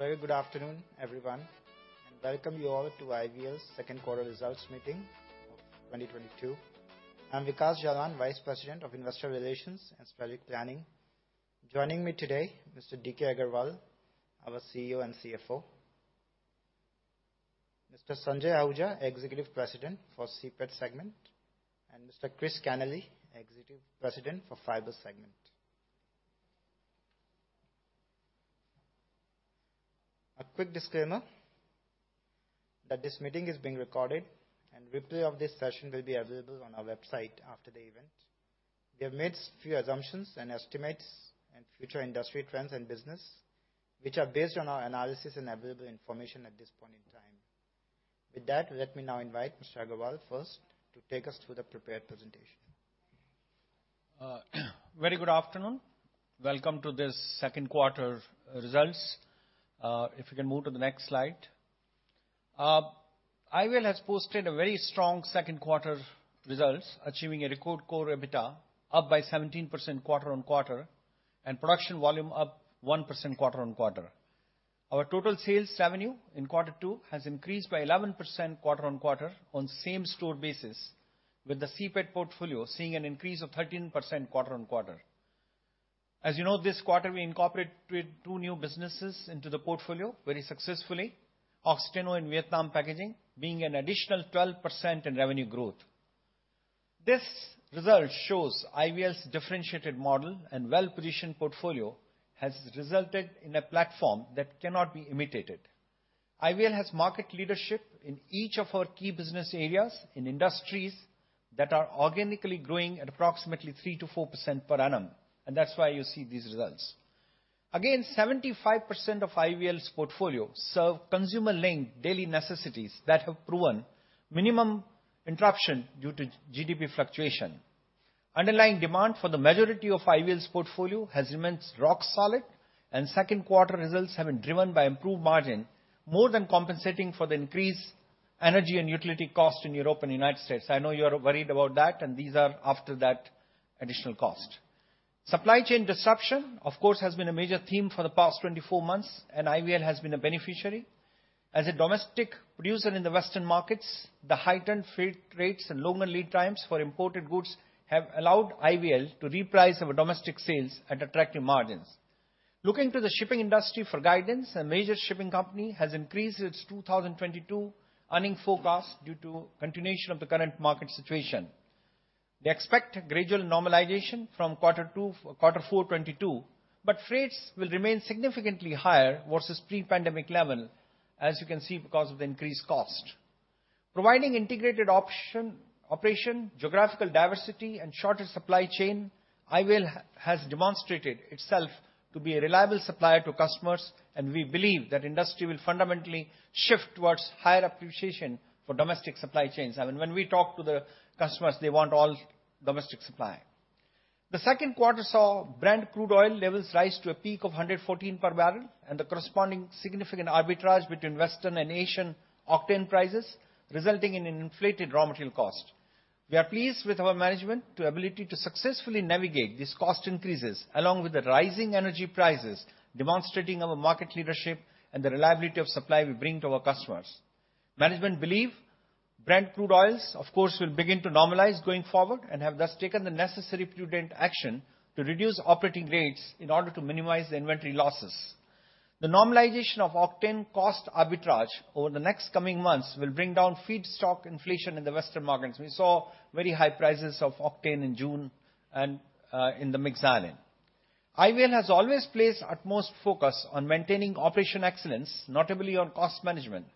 Very good afternoon, everyone. Welcome you all to IVL's second quarter results meeting of 2022. I'm Vikash Jalan, Vice President of Investor Relations and Strategic Planning. Joining me today, Mr. DK Agarwal, our CEO and CFO. Mr. Sanjay Ahuja, Executive President for CPET segment, and Mr. Chris Kenneally, Executive President for Fibers segment. A quick disclaimer that this meeting is being recorded and replay of this session will be available on our website after the event. We have made few assumptions and estimates in future industry trends and business, which are based on our analysis and available information at this point in time. With that, let me now invite Mr. Agarwal first to take us through the prepared presentation. Very good afternoon. Welcome to this second quarter results. If we can move to the next slide. IVL has posted a very strong second quarter results, achieving a record core EBITDA up by 17% quarter-on-quarter, and production volume up 1% quarter-on-quarter. Our total sales revenue in quarter two has increased by 11% quarter-on-quarter on same store basis, with the CPET portfolio seeing an increase of 13% quarter-on-quarter. As you know, this quarter we incorporated two new businesses into the portfolio very successfully, Oxiteno and Vietnam Packaging, being an additional 12% in revenue growth. This result shows IVL's differentiated model and well-positioned portfolio has resulted in a platform that cannot be imitated. IVL has market leadership in each of our key business areas in industries that are organically growing at approximately 3%-4% per annum, and that's why you see these results. Again, 75% of IVL's portfolio serve consumer-linked daily necessities that have proven minimum interruption due to GDP fluctuation. Underlying demand for the majority of IVL's portfolio has remained rock solid, and second quarter results have been driven by improved margin, more than compensating for the increased energy and utility cost in Europe and United States. I know you are worried about that, and these are after that additional cost. Supply chain disruption, of course, has been a major theme for the past 24 months, and IVL has been a beneficiary. As a domestic producer in the Western markets, the heightened freight rates and longer lead times for imported goods have allowed IVL to reprice our domestic sales at attractive margins. Looking to the shipping industry for guidance, a major shipping company has increased its 2022 earnings forecast due to continuation of the current market situation. They expect gradual normalization from quarter two to quarter four 2022, but freights will remain significantly higher versus pre-pandemic level, as you can see, because of the increased cost. Providing integrated options, operations, geographical diversity and shorter supply chain, IVL has demonstrated itself to be a reliable supplier to customers, and we believe that industry will fundamentally shift towards higher appreciation for domestic supply chains. I mean, when we talk to the customers, they want all domestic supply. The second quarter saw Brent crude oil levels rise to a peak of $114 per barrel and the corresponding significant arbitrage between Western and Asian octane prices, resulting in an inflated raw material cost. We are pleased with our management's ability to successfully navigate these cost increases along with the rising energy prices, demonstrating our market leadership and the reliability of supply we bring to our customers. Management believes Brent crude oil's course, of course, will begin to normalize going forward and has thus taken the necessary prudent action to reduce operating rates in order to minimize the inventory losses. The normalization of octane cost arbitrage over the next coming months will bring down feedstock inflation in the Western markets. We saw very high prices of octane in June and in the mixed xylene. IVL has always placed utmost focus on maintaining operational excellence, notably on cost management.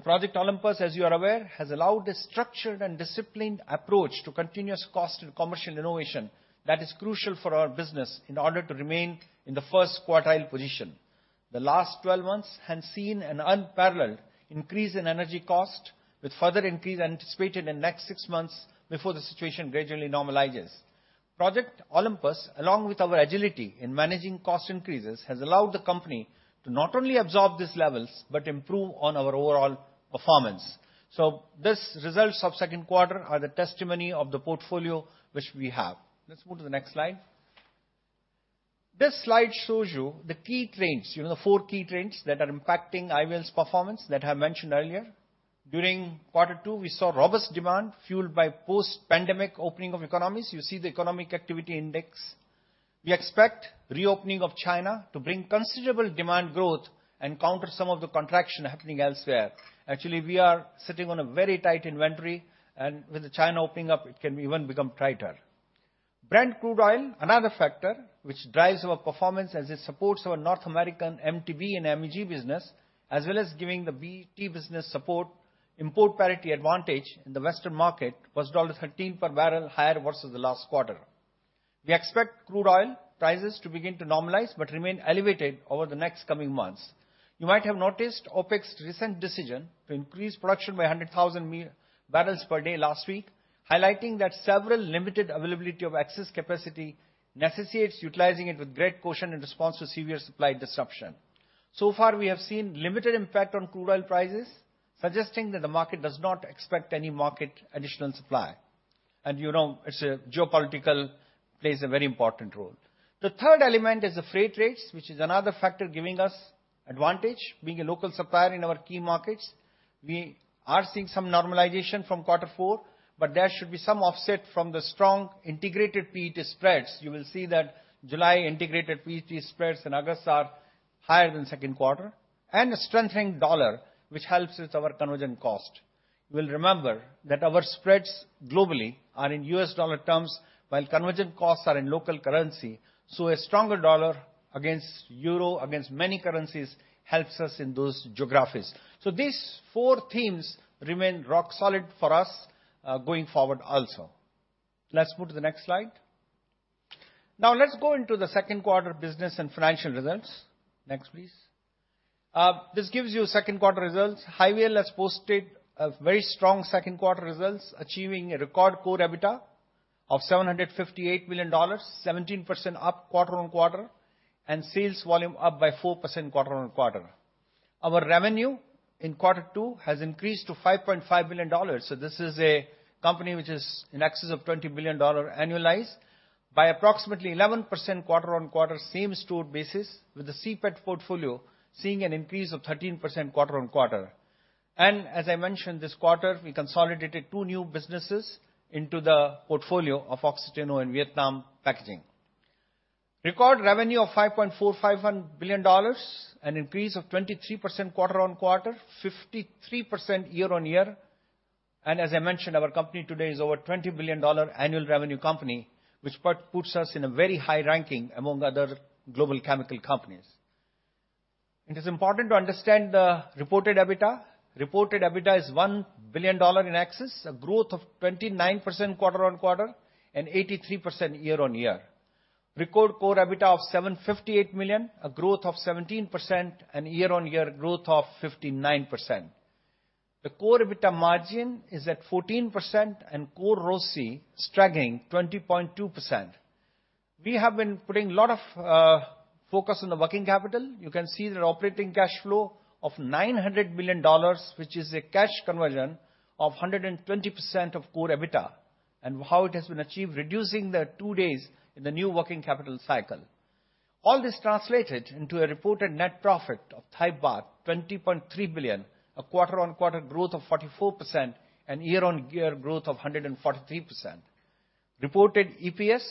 Project Olympus, as you are aware, has allowed a structured and disciplined approach to continuous cost and commercial innovation that is crucial for our business in order to remain in the first quartile position. The last 12 months had seen an unparalleled increase in energy cost with further increase anticipated in next six months before the situation gradually normalizes. Project Olympus, along with our agility in managing cost increases, has allowed the company to not only absorb these levels, but improve on our overall performance. These results of second quarter are the testimony of the portfolio which we have. Let's move to the next slide. This slide shows you the key trends, you know, the four key trends that are impacting IVL's performance that I mentioned earlier. During quarter two, we saw robust demand fueled by post-pandemic opening of economies. You see the economic activity index. We expect reopening of China to bring considerable demand growth and counter some of the contraction happening elsewhere. Actually, we are sitting on a very tight inventory, and with the China opening up, it can even become tighter. Brent crude oil, another factor which drives our performance as it supports our North American MTBE and MEG business, as well as giving the PET business support import parity advantage in the Western market was $13 per barrel higher versus the last quarter. We expect crude oil prices to begin to normalize but remain elevated over the next coming months. You might have noticed OPEC's recent decision to increase production by 100,000 bpd last week, highlighting that severely limited availability of excess capacity necessitates utilizing it with great caution in response to severe supply disruption. So far, we have seen limited impact on crude oil prices, suggesting that the market does not expect any material additional supply. You know, it's geopolitics that plays a very important role. The third element is the freight rates, which is another factor giving us advantage. Being a local supplier in our key markets, we are seeing some normalization from quarter four, but there should be some offset from the strong integrated PET spreads. You will see that July integrated PET spreads and August are higher than second quarter. A strengthening dollar, which helps with our conversion cost. You will remember that our spreads globally are in U.S. dollar terms, while conversion costs are in local currency. A stronger dollar against euro, against many currencies, helps us in those geographies. These four themes remain rock solid for us, going forward also. Let's move to the next slide. Now let's go into the second quarter business and financial results. Next, please. This gives you second quarter results. IVL has posted a very strong second quarter results, achieving a record core EBITDA of $758 million, 17% up quarter-on-quarter, and sales volume up by 4% quarter-on-quarter. Our revenue in quarter two has increased to $5.5 billion, so this is a company which is in excess of $20 billion annualized by approximately 11% quarter-on-quarter same-store basis, with the CPET portfolio seeing an increase of 13% quarter-on-quarter. As I mentioned, this quarter, we consolidated two new businesses into the portfolio of Oxiteno and Vietnam Packaging. Record revenue of $5.451 billion, an increase of 23% quarter-on-quarter, 53% year-on-year. As I mentioned, our company today is over $20 billion annual revenue company, which puts us in a very high ranking among other global chemical companies. It is important to understand the reported EBITDA. Reported EBITDA is $1 billion in excess, a growth of 29% quarter-on-quarter and 83% year-on-year. Record core EBITDA of $758 million, a growth of 17% and year-on-year growth of 59%. The core EBITDA margin is at 14% and core ROCE straddling 20.2%. We have been putting a lot of focus on the working capital. You can see the operating cash flow of $900 million, which is a cash conversion of 120% of core EBITDA, and how it has been achieved, reducing the two days in the new working capital cycle. All this translated into a reported net profit of baht 20.3 billion, a quarter-on-quarter growth of 44% and year-on-year growth of 143%. Reported EPS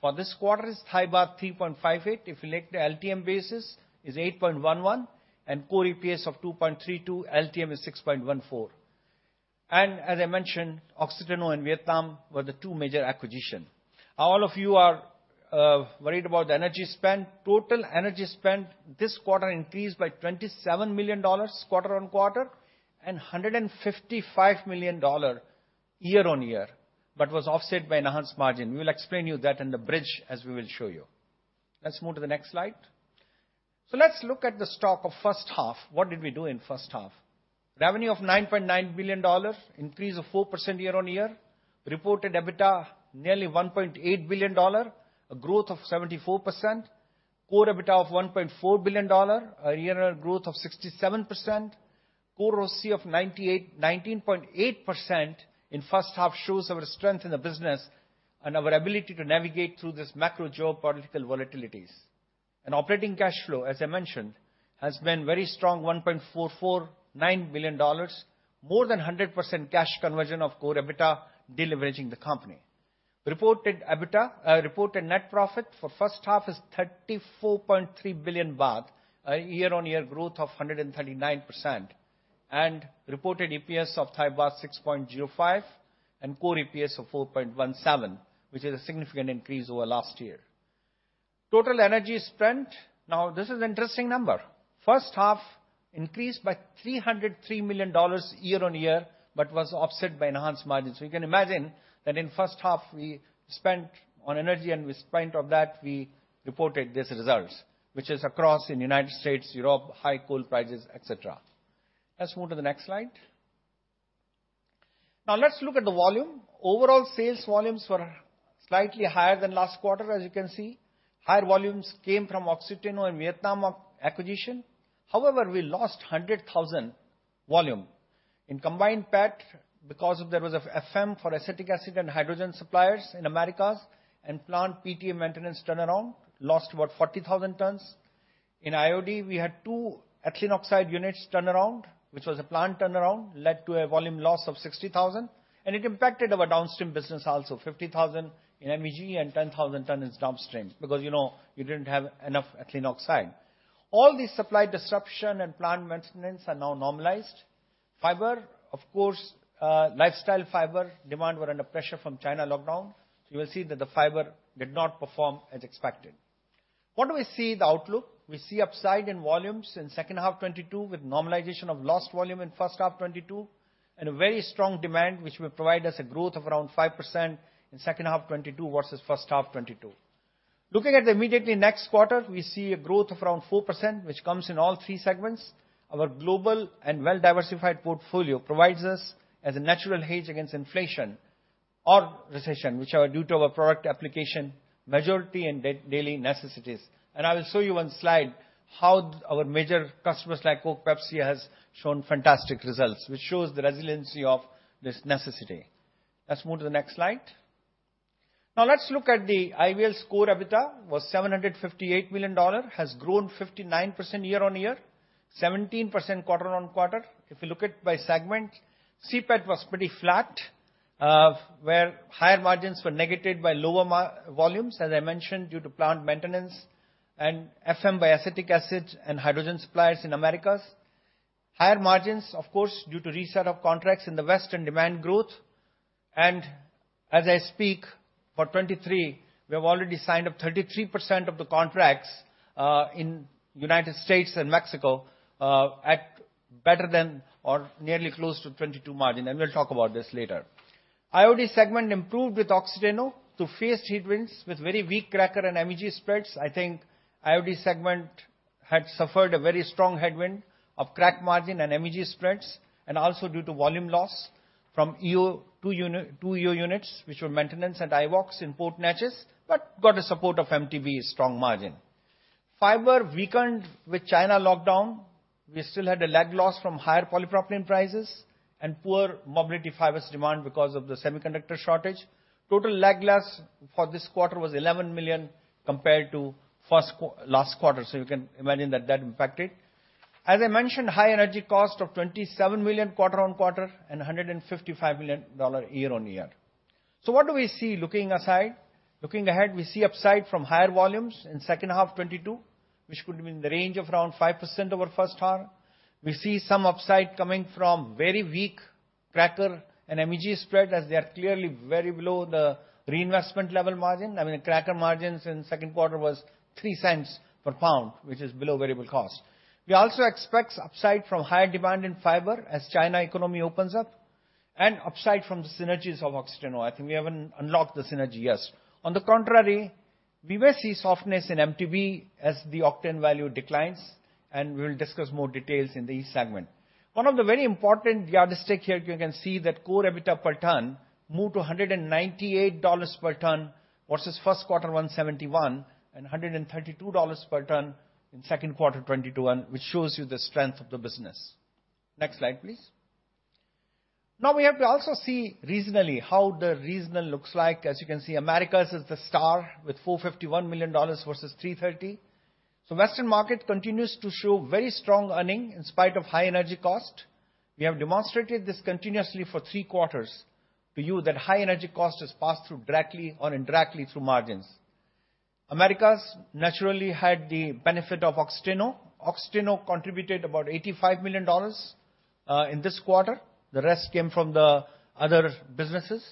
for this quarter is baht 3.58. If you look at the LTM basis is 8.11 and core EPS of 2.32, LTM is 6.14. As I mentioned, Oxiteno and Vietnam were the two major acquisition. All of you are worried about the energy spent. Total energy spent this quarter increased by $27 million quarter on quarter and $155 million year on year, but was offset by enhanced margin. We will explain you that in the bridge as we will show you. Let's move to the next slide. So let's look at the stock of first half. What did we do in first half? Revenue of $9.9 billion, increase of 4% year on year. Reported EBITDA nearly $1.8 billion, a growth of 74%. Core EBITDA of $1.4 billion, a year on year growth of 67%. Core ROCE of 19.8% in first half shows our strength in the business and our ability to navigate through this macro geopolitical volatilities. Operating cash flow, as I mentioned, has been very strong, $1.449 billion, more than 100% cash conversion of core EBITDA, deleveraging the company. Reported EBITDA, reported net profit for first half is 34.3 billion baht, a year-on-year growth of 139%. Reported EPS of baht 6.05 and core EPS of 4.17, which is a significant increase over last year. Total energy spent, now this is interesting number. First half increased by $303 million year-on-year, but was offset by enhanced margin. You can imagine that in first half we spent on energy and with that spend, we reported these results, which is across in United States, Europe, high coal prices, et cetera. Let's move to the next slide. Now let's look at the volume. Overall sales volumes were slightly higher than last quarter, as you can see. Higher volumes came from Oxiteno and Vietnam acquisition. However, we lost 100,000 volume. In combined PET because there was FM for acetic acid and hydrogen suppliers in Americas and plant PTA maintenance turnaround lost about 40,000 tons. In IOD, we had two ethylene oxide units turnaround, which was a plant turnaround, led to a volume loss of 60,000. It impacted our downstream business also, 50,000 in MEG and 10,000 tons in downstream because, you know, we didn't have enough ethylene oxide. All these supply disruption and plant maintenance are now normalized. Fibers, of course, Lifestyle Fibers demand were under pressure from China lockdown. You will see that the Fibers did not perform as expected. What do we see the outlook? We see upside in volumes in second half 2022 with normalization of lost volume in first half 2022 and a very strong demand, which will provide us a growth of around 5% in second half 2022 versus first half 2022. Looking at the immediately next quarter, we see a growth of around 4%, which comes in all three segments. Our global and well-diversified portfolio provides us as a natural hedge against inflation or recession, which are due to our product application majority in day-to-day necessities. I will show you one slide how our major customers like Coke Pepsi have shown fantastic results, which shows the resiliency of this necessity. Let's move to the next slide. Now let's look at the IVL score, EBITDA was $758 million, has grown 59% year-on-year, 17% quarter-on-quarter. If you look at by segment, CPET was pretty flat, where higher margins were negated by lower volumes, as I mentioned, due to plant maintenance and FM by acetic acid and hydrogen suppliers in Americas. Higher margins, of course, due to reset of contracts in the West and demand growth. As I speak, for 2023, we have already signed up 33% of the contracts, in United States and Mexico, at better than or nearly close to 2022 margin, and we'll talk about this later. IOD segment improved with Oxiteno to face headwinds with very weak crack and MEG spreads. I think IOD segment had suffered a very strong headwind of crack margin and MEG spreads, and also due to volume loss from EO, two EO units, which were maintenance at IVOL in Port Neches, but got the support of MTBE's strong margin. Fibers weakened with China lockdown. We still had a lag loss from higher polypropylene prices and poor mobility Fibers demand because of the semiconductor shortage. Total lag loss for this quarter was $11 million compared to last quarter, so you can imagine that that impacted. As I mentioned, high energy cost of $27 million quarter on quarter and $155 million year on year. What do we see looking ahead? Looking ahead, we see upside from higher volumes in second half 2022, which could be in the range of around 5% over first half. We see some upside coming from very weak cracker and MEG spread as they are clearly very below the reinvestment level margin. I mean, cracker margins in second quarter was $0.03 per pound, which is below variable cost. We also expect upside from higher demand in Fibers as China economy opens up, and upside from the synergies of Oxiteno. I think we haven't unlocked the synergy yet. On the contrary, we will see softness in MTBE as the octane value declines, and we will discuss more details in the segment. One of the very important yardstick here, you can see that core EBITDA per ton moved to $198 per ton versus first quarter $171 and $132 per ton in second quarter 2021, which shows you the strength of the business. Next slide, please. Now we have to also see regionally how the regional looks like. As you can see, Americas is the star with $451 million versus $330. Western market continues to show very strong earnings in spite of high energy cost. We have demonstrated this continuously for three quarters to you that high energy cost is passed through directly or indirectly through margins. Americas naturally had the benefit of Oxiteno. Oxiteno contributed about $85 million in this quarter. The rest came from the other businesses.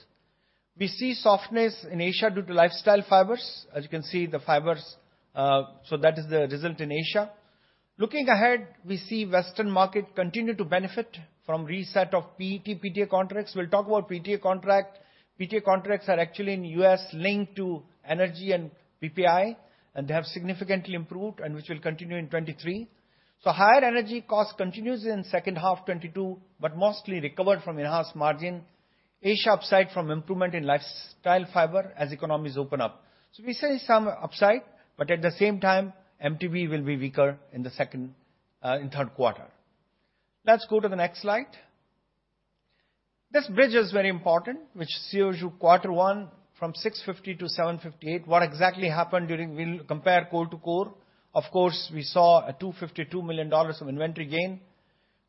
We see softness in Asia due to Lifestyle Fibers. As you can see, the Fibers. That is the result in Asia. Looking ahead, we see Western market continue to benefit from reset of PET, PTA contracts. We'll talk about PTA contract. PTA contracts are actually in U.S. linked to energy and PPI, and they have significantly improved and which will continue in 2023. Higher energy cost continues in second half 2022, but mostly recovered from enhanced margin. Asia upside from improvement in Lifestyle Fibers as economies open up. We see some upside, but at the same time, MTBE will be weaker in the second, in third quarter. Let's go to the next slide. This bridge is very important, which shows you quarter one from $650 million to $758 million. We'll compare core to core. Of course, we saw a $252 million of inventory gain.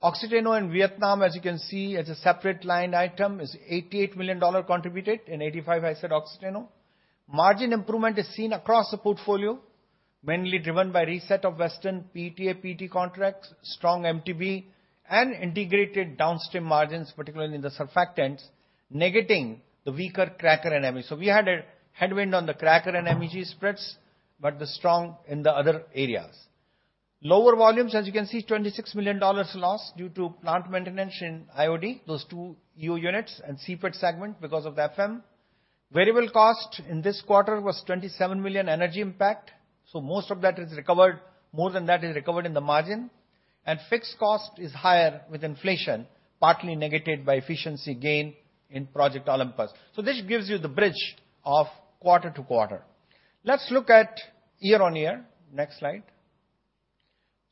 Oxiteno in Vietnam, as you can see, as a separate line item, is $88 million contributed. In 1985, I said Oxiteno. Margin improvement is seen across the portfolio, mainly driven by reset of Western PTA, PET contracts, strong MTBE and integrated downstream margins, particularly in the surfactants, negating the weaker cracker and MEG. We had a headwind on the cracker and MEG spreads, but the strength in the other areas. Lower volumes, as you can see, $26 million loss due to plant maintenance in IOD, those two EO units and CPET segment because of the FM. Variable cost in this quarter was $27 million energy impact. Most of that is recovered, more than that is recovered in the margin. Fixed cost is higher with inflation, partly negated by efficiency gain in Project Olympus. This gives you the bridge of quarter-to-quarter. Let's look at year-on-year. Next slide.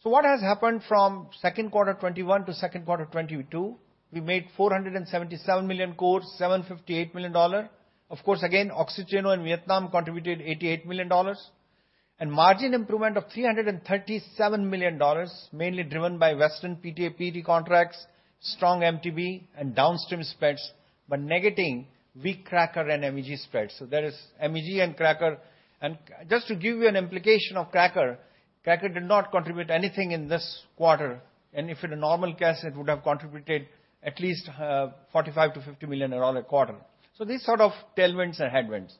What has happened from second quarter 2021 to second quarter 2022? We made 477 Core, $758 million. Of course, again, Oxiteno in Vietnam contributed $88 million. Margin improvement of $337 million, mainly driven by Western PTA, PET contracts, strong MTBE and downstream spreads, but negating weak cracker and MEG spreads. There is MEG and cracker. Just to give you an indication of cracker did not contribute anything in this quarter. If in a normal case, it would have contributed at least $45 million-$50 million a quarter. These sort of tailwinds are headwinds.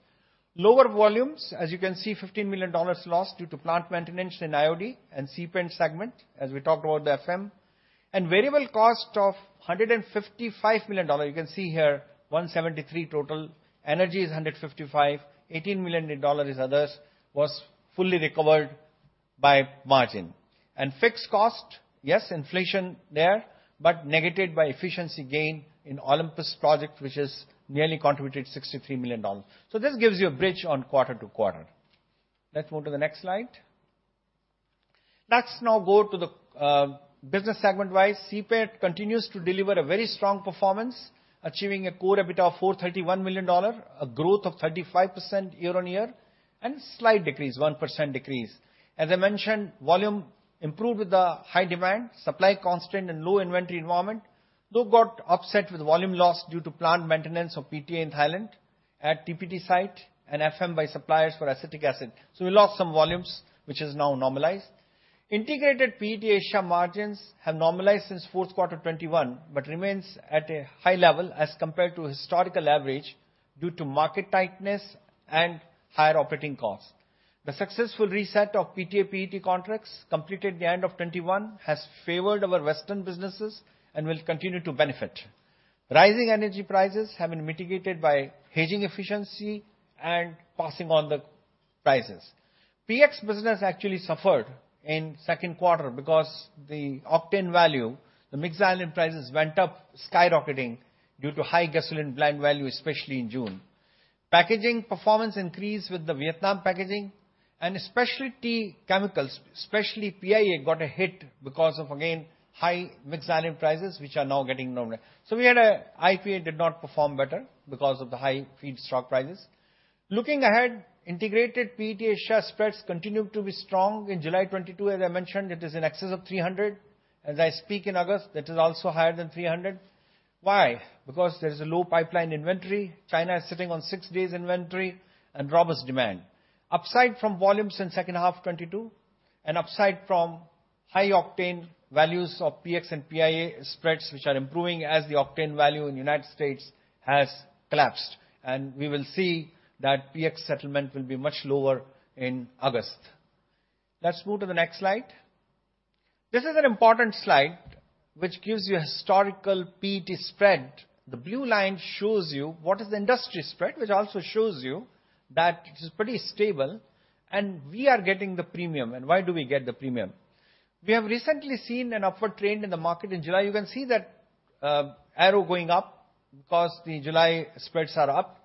Lower volumes, as you can see, $15 million lost due to plant maintenance in IOD and CPET segment, as we talked about the FM. Variable cost of $155 million. You can see here, $173 million total. Energy is $155 million. $18 million is others, was fully recovered by margin. Fixed cost, yes, inflation there, but negated by efficiency gain in Olympus project, which has nearly contributed $63 million. This gives you a bridge on quarter to quarter. Let's move to the next slide. Let's now go to the business segment-wise. CPET continues to deliver a very strong performance, achieving a core EBITDA of $431 million, a growth of 35% year-on-year, and slight decrease, 1% decrease. As I mentioned, volume improved with the high demand, supply constraint and low inventory environment. Though got offset with volume loss due to plant maintenance of PTA in Thailand at TPT site and FM by suppliers for acetic acid. We lost some volumes, which is now normalized. Integrated PET Asia margins have normalized since fourth quarter 2021, but remains at a high level as compared to historical average due to market tightness and higher operating costs. The successful reset of PTA, PET contracts completed the end of 2021 has favored our Western businesses and will continue to benefit. Rising energy prices have been mitigated by hedging efficiency and passing on the prices. PX business actually suffered in second quarter because the octane value, the mixed xylene prices went up skyrocketing due to high gasoline blend value, especially in June. Packaging performance increased with the Vietnam Packaging and specialty chemicals, especially PIA got a hit because of again, high mixed xylene prices, which are now getting normal. PIA did not perform better because of the high feedstock prices. Looking ahead, integrated PET Asia spreads continued to be strong in July 2022. As I mentioned, it is in excess of 300. As I speak in August, that is also higher than 300. Why? Because there is a low pipeline inventory. China is sitting on six days inventory and robust demand. Upside from volumes in second half 2022 and upside from high octane values of PX and PIA spreads, which are improving as the octane value in United States has collapsed. We will see that PX settlement will be much lower in August. Let's move to the next slide. This is an important slide which gives you a historical PET spread. The blue line shows you what is the industry spread, which also shows you that it is pretty stable and we are getting the premium. Why do we get the premium? We have recently seen an upward trend in the market in July. You can see that, arrow going up because the July spreads are up.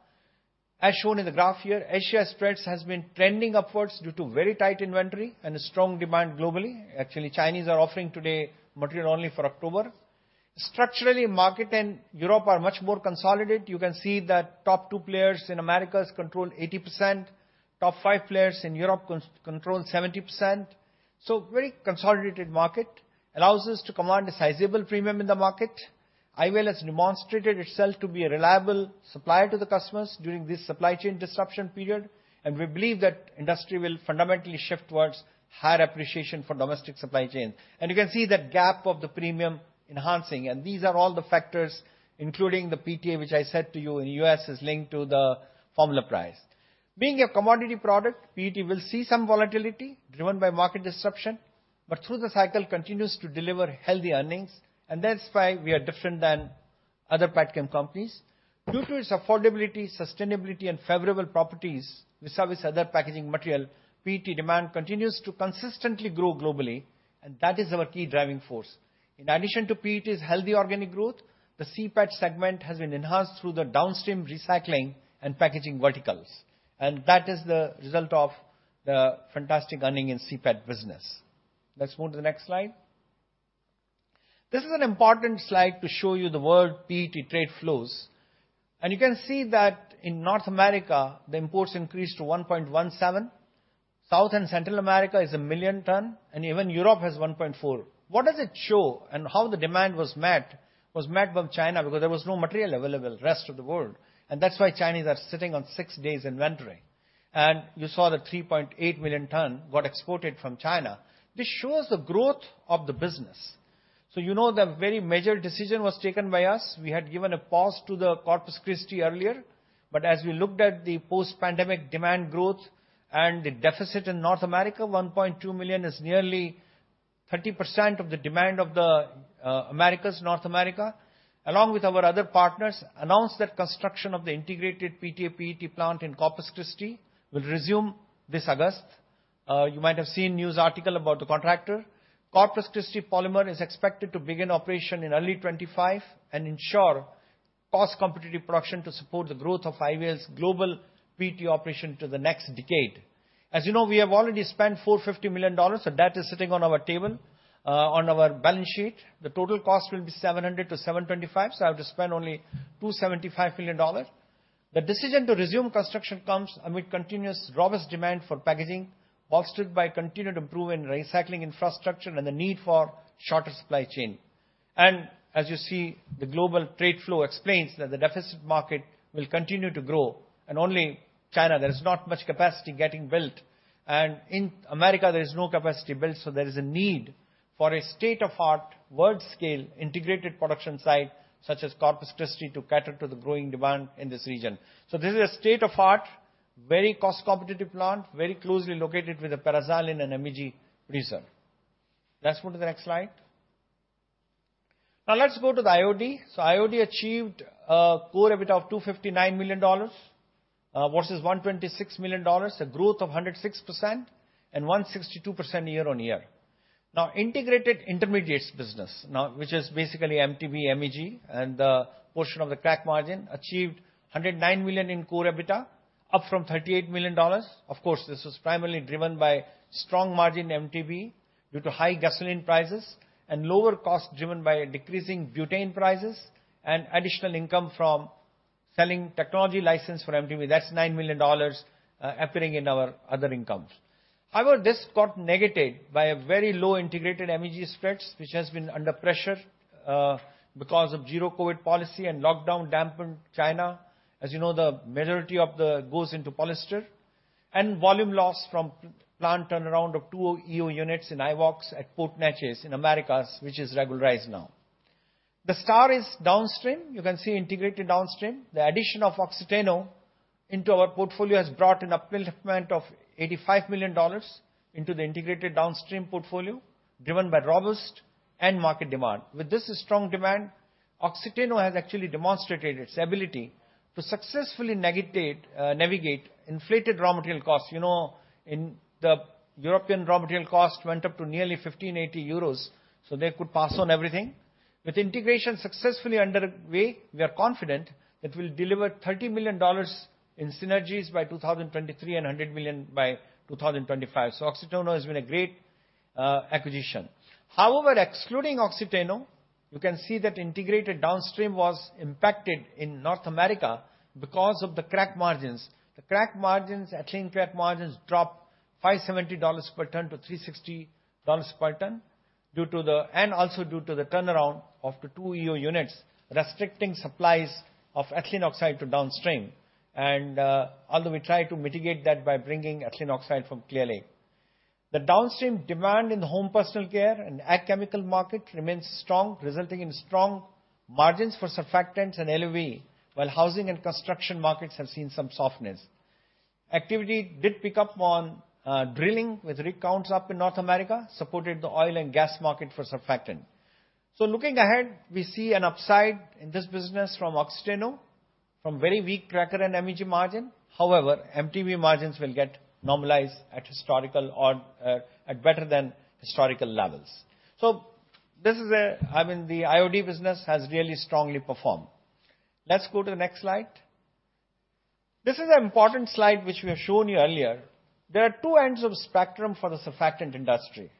As shown in the graph here, Asia spreads has been trending upwards due to very tight inventory and a strong demand globally. Actually, Chinese are offering today material only for October. Structurally, market and Europe are much more consolidated. You can see that top two players in Americas control 80%. Top five players in Europe control 70%. Very consolidated market allows us to command a sizable premium in the market. IVOL has demonstrated itself to be a reliable supplier to the customers during this supply chain disruption period, and we believe that industry will fundamentally shift towards higher appreciation for domestic supply chain. You can see that gap of the premium enhancing. These are all the factors, including the PTA, which I said to you in the U.S. is linked to the formula price. Being a commodity product, PET will see some volatility driven by market disruption, but through the cycle continues to deliver healthy earnings, and that's why we are different than other petchem companies. Due to its affordability, sustainability and favorable properties vis-à-vis other packaging material, PET demand continues to consistently grow globally, and that is our key driving force. In addition to PET's healthy organic growth, the CPET segment has been enhanced through the downstream recycling and packaging verticals, and that is the result of the fantastic earning in CPET business. Let's move to the next slide. This is an important slide to show you the world PET trade flows. You can see that in North America, the imports increased to 1.17. South and Central America is 1 million ton, and even Europe has 1.4. What does it show and how the demand was met by China because there was no material available rest of the world? That's why Chinese are sitting on six days inventory. You saw the 3.8 million tons got exported from China. This shows the growth of the business. You know the very major decision was taken by us. We had given a pause to the Corpus Christi earlier. As we looked at the post-pandemic demand growth and the deficit in North America, 1.2 million is nearly 30% of the demand of the Americas, North America. Along with our other partners, announced that construction of the integrated PTA PET plant in Corpus Christi will resume this August. You might have seen news article about the contractor. Corpus Christi Polymers is expected to begin operation in early 2025 and ensure cost competitive production to support the growth of IVL's global PET operation to the next decade. As you know, we have already spent $450 million. That is sitting on our table, on our balance sheet. The total cost will be $700 million-$725 million. I have to spend only $275 million. The decision to resume construction comes amid continuous robust demand for packaging, bolstered by continued improvement in recycling infrastructure and the need for shorter supply chain. As you see, the global trade flow explains that the deficit market will continue to grow. Only China, there is not much capacity getting built. In America, there is no capacity built. There is a need for a state-of-the-art, world-scale, integrated production site such as Corpus Christi to cater to the growing demand in this region. This is a state-of-the-art, very cost-competitive plant, very closely located with the paraxylene and MEG reserve. Let's move to the next slide. Now let's go to the IOD. IOD achieved a core EBITDA of $259 million versus $126 million, a growth of 106% and 162% year-on-year. The integrated intermediates business, which is basically MTBE, MEG and the portion of the crack margin, achieved $109 million in core EBITDA, up from $38 million. This was primarily driven by strong MTBE margins due to high gasoline prices and lower costs driven by decreasing butane prices and additional income from selling technology license for MTBE. That's $9 million appearing in our other incomes. However, this got negated by very low integrated MEG spreads, which has been under pressure because of zero-COVID policy and lockdown-dampened China. As you know, the majority of it goes into polyester. Volume loss from plant turnaround of two EO units in IVOL at Port Neches in Americas, which is regularized now. The star is downstream. You can see integrated downstream. The addition of Oxiteno into our portfolio has brought an upliftment of $85 million into the integrated downstream portfolio, driven by robust end market demand. With this strong demand, Oxiteno has actually demonstrated its ability to successfully navigate inflated raw material costs. You know, in the European raw material cost went up to nearly 1,580 euros, so they could pass on everything. With integration successfully underway, we are confident that we'll deliver $30 million in synergies by 2023 and $100 million by 2025. Oxiteno has been a great acquisition. However, excluding Oxiteno, you can see that integrated downstream was impacted in North America because of the crack margins. The crack margins, ethylene crack margins dropped $570 per ton to $360 per ton due to and also due to the turnaround of the two EO units, restricting supplies of ethylene oxide to downstream. Although we try to mitigate that by bringing ethylene oxide from Clear Lake. The downstream demand in the home personal care and ag chemical market remains strong, resulting in strong margins for surfactants and LAB, while housing and construction markets have seen some softness. Activity did pick up on drilling with rig counts up in North America, supported the oil and gas market for surfactant. Looking ahead, we see an upside in this business from Oxiteno, from very weak cracker and MEG margin. However, MTBE margins will get normalized at historical or at better than historical levels. This is, I mean, the IOD business has really strongly performed. Let's go to the next slide. This is an important slide which we have shown you earlier. There are two ends of spectrum for the surfactant industry.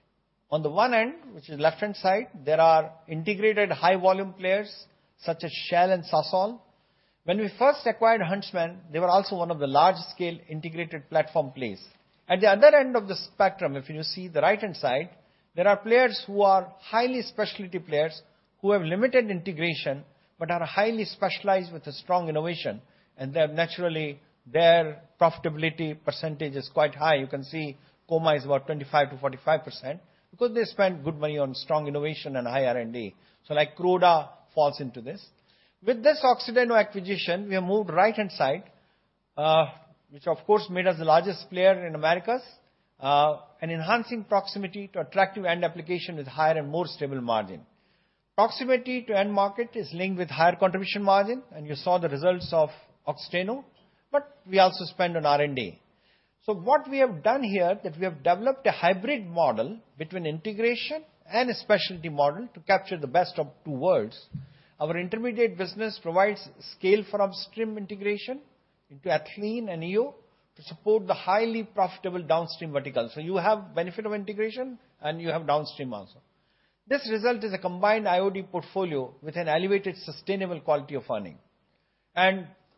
On the one end, which is left-hand side, there are integrated high volume players such as Shell and Sasol. When we first acquired Huntsman, they were also one of the large scale integrated platform players. At the other end of the spectrum, if you see the right-hand side, there are players who are highly specialty players who have limited integration, but are highly specialized with a strong innovation and they're naturally, their profitability percentage is quite high. You can see COMA is about 25%-45% because they spend good money on strong innovation and high R&D. Like Croda falls into this. With this Oxiteno acquisition, we have moved right-hand side, which of course made us the largest player in Americas, and enhancing proximity to attractive end application with higher and more stable margin. Proximity to end market is linked with higher contribution margin, and you saw the results of Oxiteno, but we also spend on R&D. What we have done here that we have developed a hybrid model between integration and a specialty model to capture the best of two worlds. Our intermediate business provides scale for upstream integration into ethylene and EO to support the highly profitable downstream verticals. You have benefit of integration and you have downstream also. This result is a combined IOD portfolio with an elevated sustainable quality of earnings.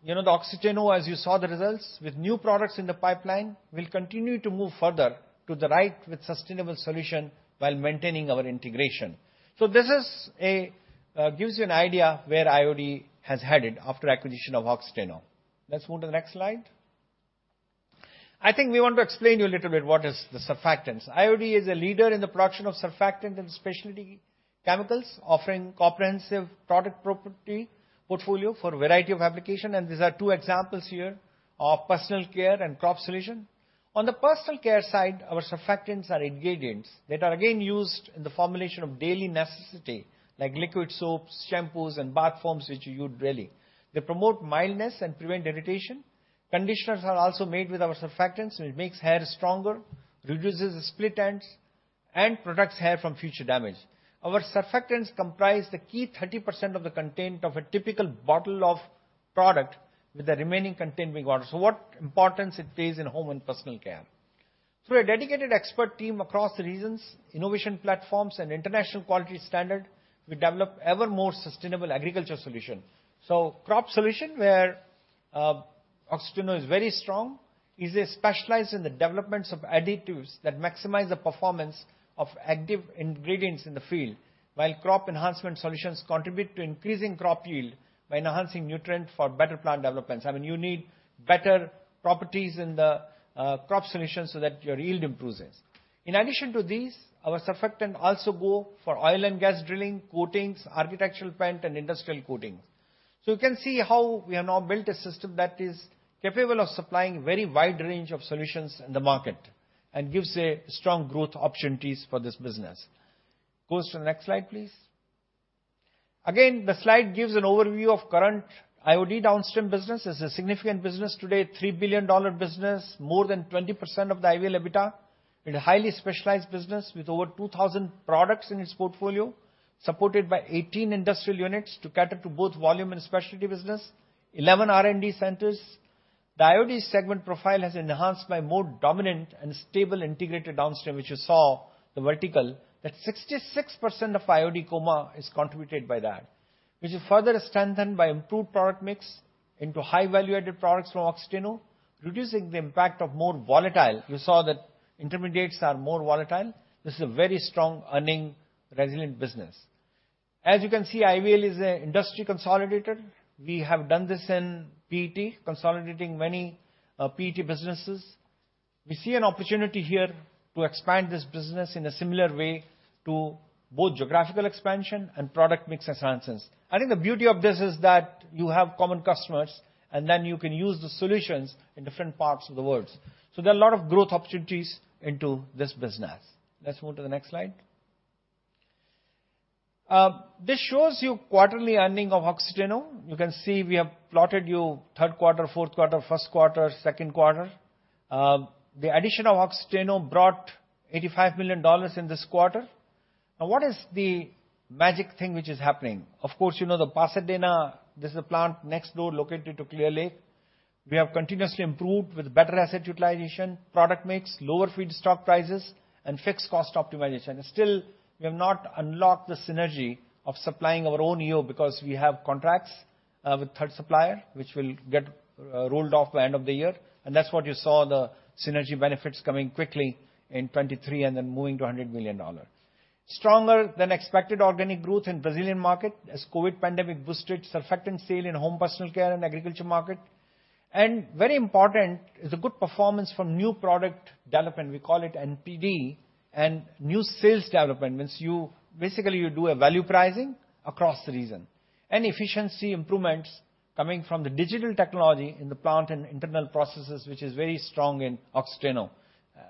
You know, the Oxiteno, as you saw the results, with new products in the pipeline, will continue to move further to the right with sustainable solution while maintaining our integration. This gives you an idea where IOD has headed after acquisition of Oxiteno. Let's move to the next slide. I think we want to explain to you a little bit what is the surfactants. IOD is a leader in the production of surfactant and specialty chemicals, offering comprehensive product portfolio for a variety of applications, and these are two examples here of personal care and crop solutions. On the personal care side, our surfactants are ingredients that are again used in the formulation of daily necessities, like liquid soaps, shampoos, and bath foams, which you use daily. They promote mildness and prevent irritation. Conditioners are also made with our surfactants, and it makes hair stronger, reduces split ends, and protects hair from future damage. Our surfactants comprise the key 30% of the content of a typical bottle of product with the remaining content being water. What importance it plays in home and personal care. Through a dedicated expert team across the regions, innovation platforms, and international quality standard, we develop ever more sustainable agriculture solution. Crop solution, where Oxiteno is very strong, is they specialize in the developments of additives that maximize the performance of active ingredients in the field. While crop enhancement solutions contribute to increasing crop yield by enhancing nutrient for better plant developments. I mean, you need better properties in the crop solution so that your yield improves. In addition to these, our surfactants also go for oil and gas drilling, coatings, architectural paint and industrial coatings. You can see how we have now built a system that is capable of supplying very wide range of solutions in the market and gives a strong growth opportunities for this business. Go to the next slide, please. Again, the slide gives an overview of current IOD downstream business. It's a significant business today, $3 billion business, more than 20% of the EBITDA. It's a highly specialized business with over 2,000 products in its portfolio, supported by 18 industrial units to cater to both volume and specialty business, 11 R&D centers. The IOD segment profile has enhanced by more dominant and stable integrated downstream, which you saw the vertical, that 66% of IOD is contributed by that, which is further strengthened by improved product mix into high value-added products from Oxiteno, reducing the impact of more volatile. You saw that intermediates are more volatile. This is a very strong earning resilient business. As you can see, IVL is a industry consolidator. We have done this in PET, consolidating many PET businesses. We see an opportunity here to expand this business in a similar way to both geographical expansion and product mix enhancements. I think the beauty of this is that you have common customers and then you can use the solutions in different parts of the world. There are a lot of growth opportunities into this business. Let's move to the next slide. This shows you quarterly earnings of Oxiteno. You can see we have plotted our third quarter, fourth quarter, first quarter, second quarter. The addition of Oxiteno brought $85 million in this quarter. Now what is the magic thing which is happening? Of course, you know the Pasadena, this is a plant next door located to Clear Lake. We have continuously improved with better asset utilization, product mix, lower feedstock prices and fixed cost optimization. Still, we have not unlocked the synergy of supplying our own EO because we have contracts with third supplier, which will get rolled off by end of the year. That's what you saw the synergy benefits coming quickly in 2023 and then moving to $100 million. Stronger than expected organic growth in Brazilian market as COVID pandemic boosted surfactant sales in home personal care and agriculture market. Very important is a good performance from new product development. We call it NPD and new sales development. Means basically you do a value pricing across the region. Efficiency improvements coming from the digital technology in the plant and internal processes, which is very strong in Oxiteno.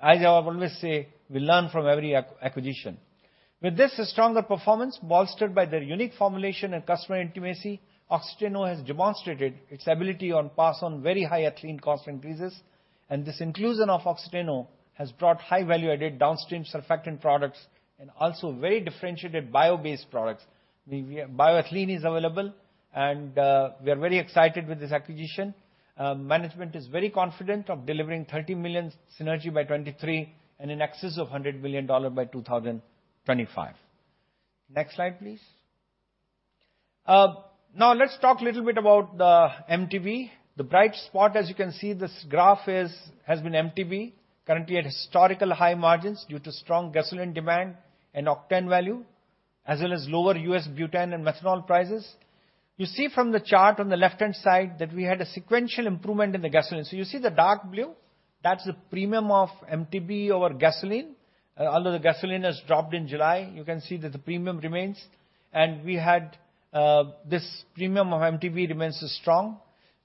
As I always say, we learn from every acquisition. With this stronger performance bolstered by their unique formulation and customer intimacy, Oxiteno has demonstrated its ability to pass on very high ethylene cost increases. This inclusion of Oxiteno has brought high value-added downstream surfactant products and also very differentiated bio-based products. Bioethylene is available, and we are very excited with this acquisition. Management is very confident of delivering $30 million synergy by 2023 and in excess of $100 million by 2025. Next slide, please. Now let's talk a little bit about the MTBE. The bright spot, as you can see, this graph has been MTBE. Currently at historical high margins due to strong gasoline demand and octane value, as well as lower U.S. butane and methanol prices. You see from the chart on the left-hand side that we had a sequential improvement in the gasoline. You see the dark blue, that's the premium of MTBE over gasoline. Although the gasoline has dropped in July, you can see that the premium remains. This premium of MTBE remains strong.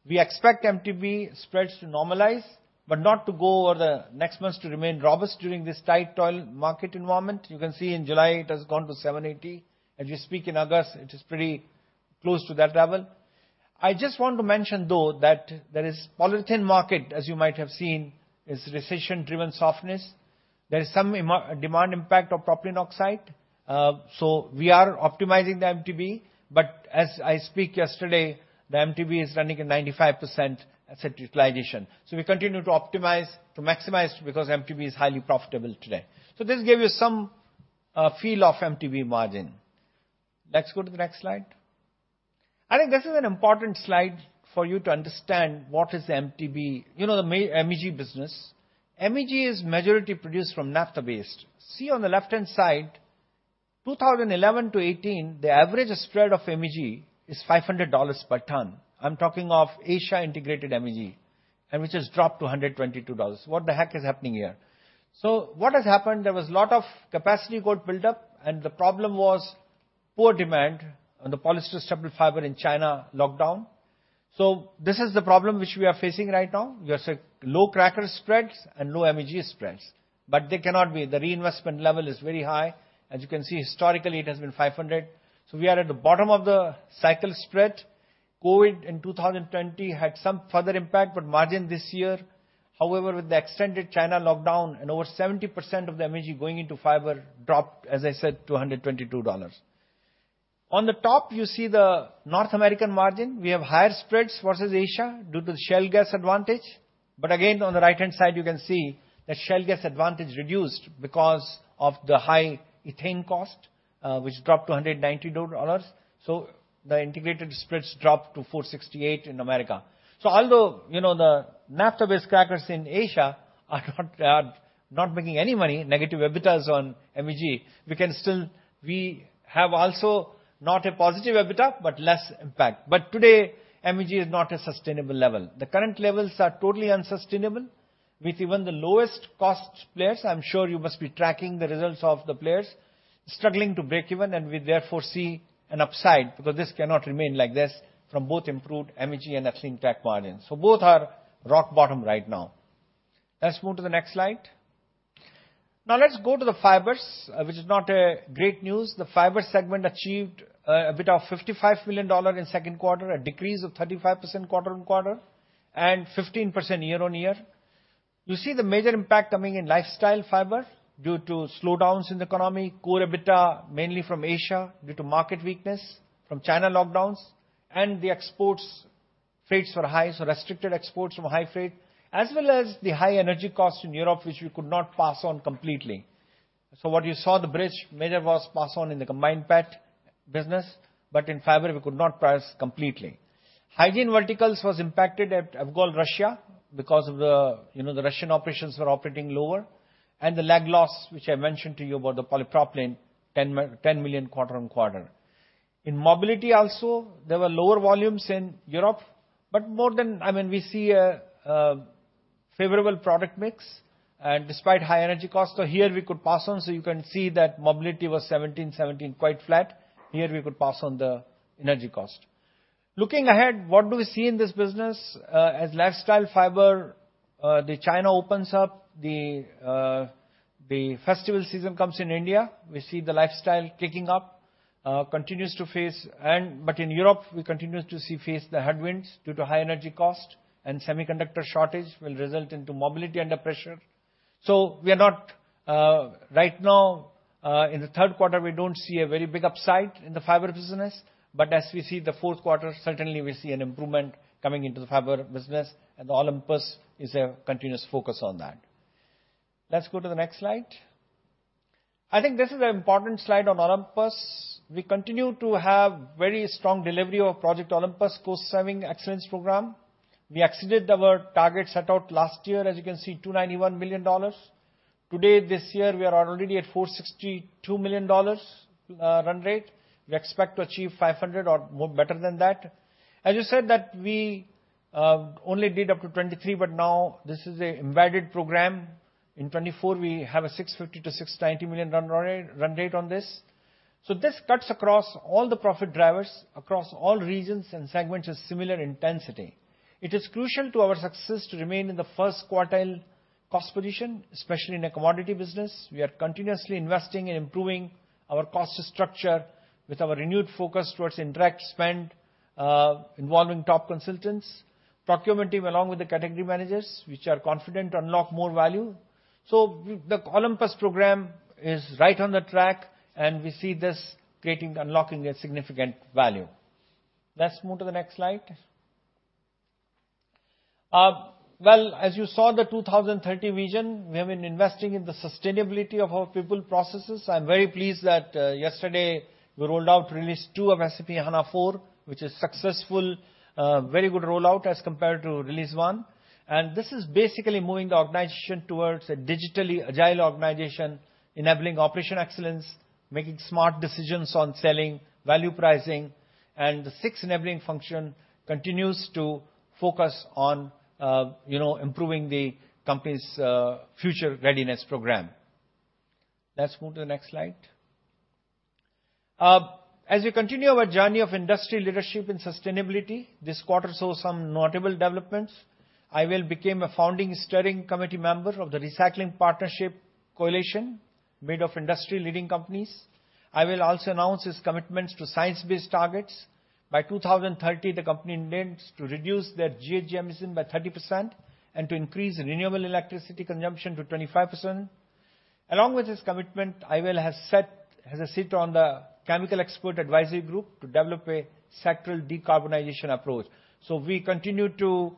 We expect MTBE spreads to normalize, but not to go over the next months to remain robust during this tight oil market environment. You can see in July it has gone to $780. As we speak in August, it is pretty close to that level. I just want to mention, though, that the polyethylene market, as you might have seen, is recession-driven softness. There is some demand impact of propylene oxide. We are optimizing the MTBE, but as of yesterday, the MTBE is running at 95% asset utilization. We continue to optimize to maximize because MTBE is highly profitable today. This gives you some feel of MTBE margin. Let's go to the next slide. I think this is an important slide for you to understand what is MTBE. You know the MEG business. MEG is majority produced from naphtha-based. See on the left-hand side, 2011 to 2018, the average spread of MEG is $500 per ton. I'm talking of Asia integrated MEG, which has dropped to $122. What the heck is happening here? What has happened, there was lot of capacity got built up, and the problem was poor demand on the polyester staple fiber in China lockdown. This is the problem which we are facing right now. We have said low cracker spreads and low MEG spreads. But they cannot be, the reinvestment level is very high. As you can see, historically, it has been 500. We are at the bottom of the cycle spread. COVID in 2020 had some further impact, but margin this year, however, with the extended China lockdown and over 70% of the MEG going into Fibers dropped, as I said, to $122. On the top, you see the North American margin. We have higher spreads versus Asia due to the shale gas advantage. Again, on the right-hand side, you can see the shale gas advantage reduced because of the high ethane cost, which dropped to $190. The integrated spreads dropped to $468 in America. Although, you know, the naphtha-based crackers in Asia are not making any money, negative EBITDA on MEG, we can still. We have also not a positive EBITDA, but less impact. Today, MEG is not a sustainable level. The current levels are totally unsustainable with even the lowest cost players. I'm sure you must be tracking the results of the players struggling to break even, and we therefore see an upside because this cannot remain like this from both improved MEG and ethylene crack margin. Both are rock bottom right now. Let's move to the next slide. Now let's go to the Fibers, which is not great news. The Fibers segment achieved EBITDA of $55 million in second quarter, a decrease of 35% quarter-on-quarter and 15% year-on-year. You see the major impact coming in Lifestyle Fibers due to slowdowns in the economy, core EBITDA, mainly from Asia due to market weakness from China lockdowns and the export freights were high, so restricted exports from high freight, as well as the high energy cost in Europe, which we could not pass on completely. What you saw the bridge major was passed on in the combined PET business, but in Fibers, we could not price completely. Hygiene verticals was impacted at Avgol, Russia, because of the Russian operations were operating lower and the lag loss, which I mentioned to you about the polypropylene 10 million quarter-on-quarter. In mobility also, there were lower volumes in Europe, but we see a favorable product mix and despite high energy costs, here we could pass on. You can see that mobility was 17%, quite flat. Here we could pass on the energy cost. Looking ahead, what do we see in this business? As Lifestyle Fibers, China opens up, the festival season comes in India. We see the Lifestyle picking up, continues to face but in Europe, we continue to face the headwinds due to high energy cost and semiconductor shortage will result into mobility under pressure. We are not right now in the third quarter, we don't see a very big upside in the Fibers business. As we see the fourth quarter, certainly we see an improvement coming into the Fibers business and Olympus is a continuous focus on that. Let's go to the next slide. I think this is an important slide on Olympus. We continue to have very strong delivery of Project Olympus cost-saving excellence program. We exceeded our target set out last year, as you can see, $291 million. Today, this year, we are already at $462 million run rate. We expect to achieve $500 million or more better than that. As you said that we only did up to 2023, but now this is an embedded program. In 2024, we have a $650 million-$690 million run rate on this. This cuts across all the profit drivers across all regions and segments with similar intensity. It is crucial to our success to remain in the first quartile cost position, especially in a commodity business. We are continuously investing in improving our cost structure with our renewed focus towards indirect spend, involving top consultants, procurement team, along with the category managers, which are confident to unlock more value. The Olympus program is right on the track, and we see this creating, unlocking a significant value. Let's move to the next slide. As you saw the 2030 vision, we have been investing in the sustainability of our people, processes. I'm very pleased that yesterday we rolled out release two of SAP S/4HANA, which is successful, very good rollout as compared to Release 1. This is basically moving the organization towards a digitally agile organization, enabling operational excellence, making smart decisions on selling, value pricing, and the six enabling function continues to focus on, you know, improving the company's future readiness program. Let's move to the next slide. As we continue our journey of industry leadership in sustainability, this quarter saw some notable developments. IVL became a founding steering committee member of the Recycling Partnership Coalition made of industry-leading companies. IVL also announced its commitments to science-based targets. By 2030, the company intends to reduce their GHG emission by 30% and to increase renewable electricity consumption to 25%. Along with this commitment, IVL has a seat on the Chemical Expert Advisory Group to develop a sectoral decarbonization approach. We continue to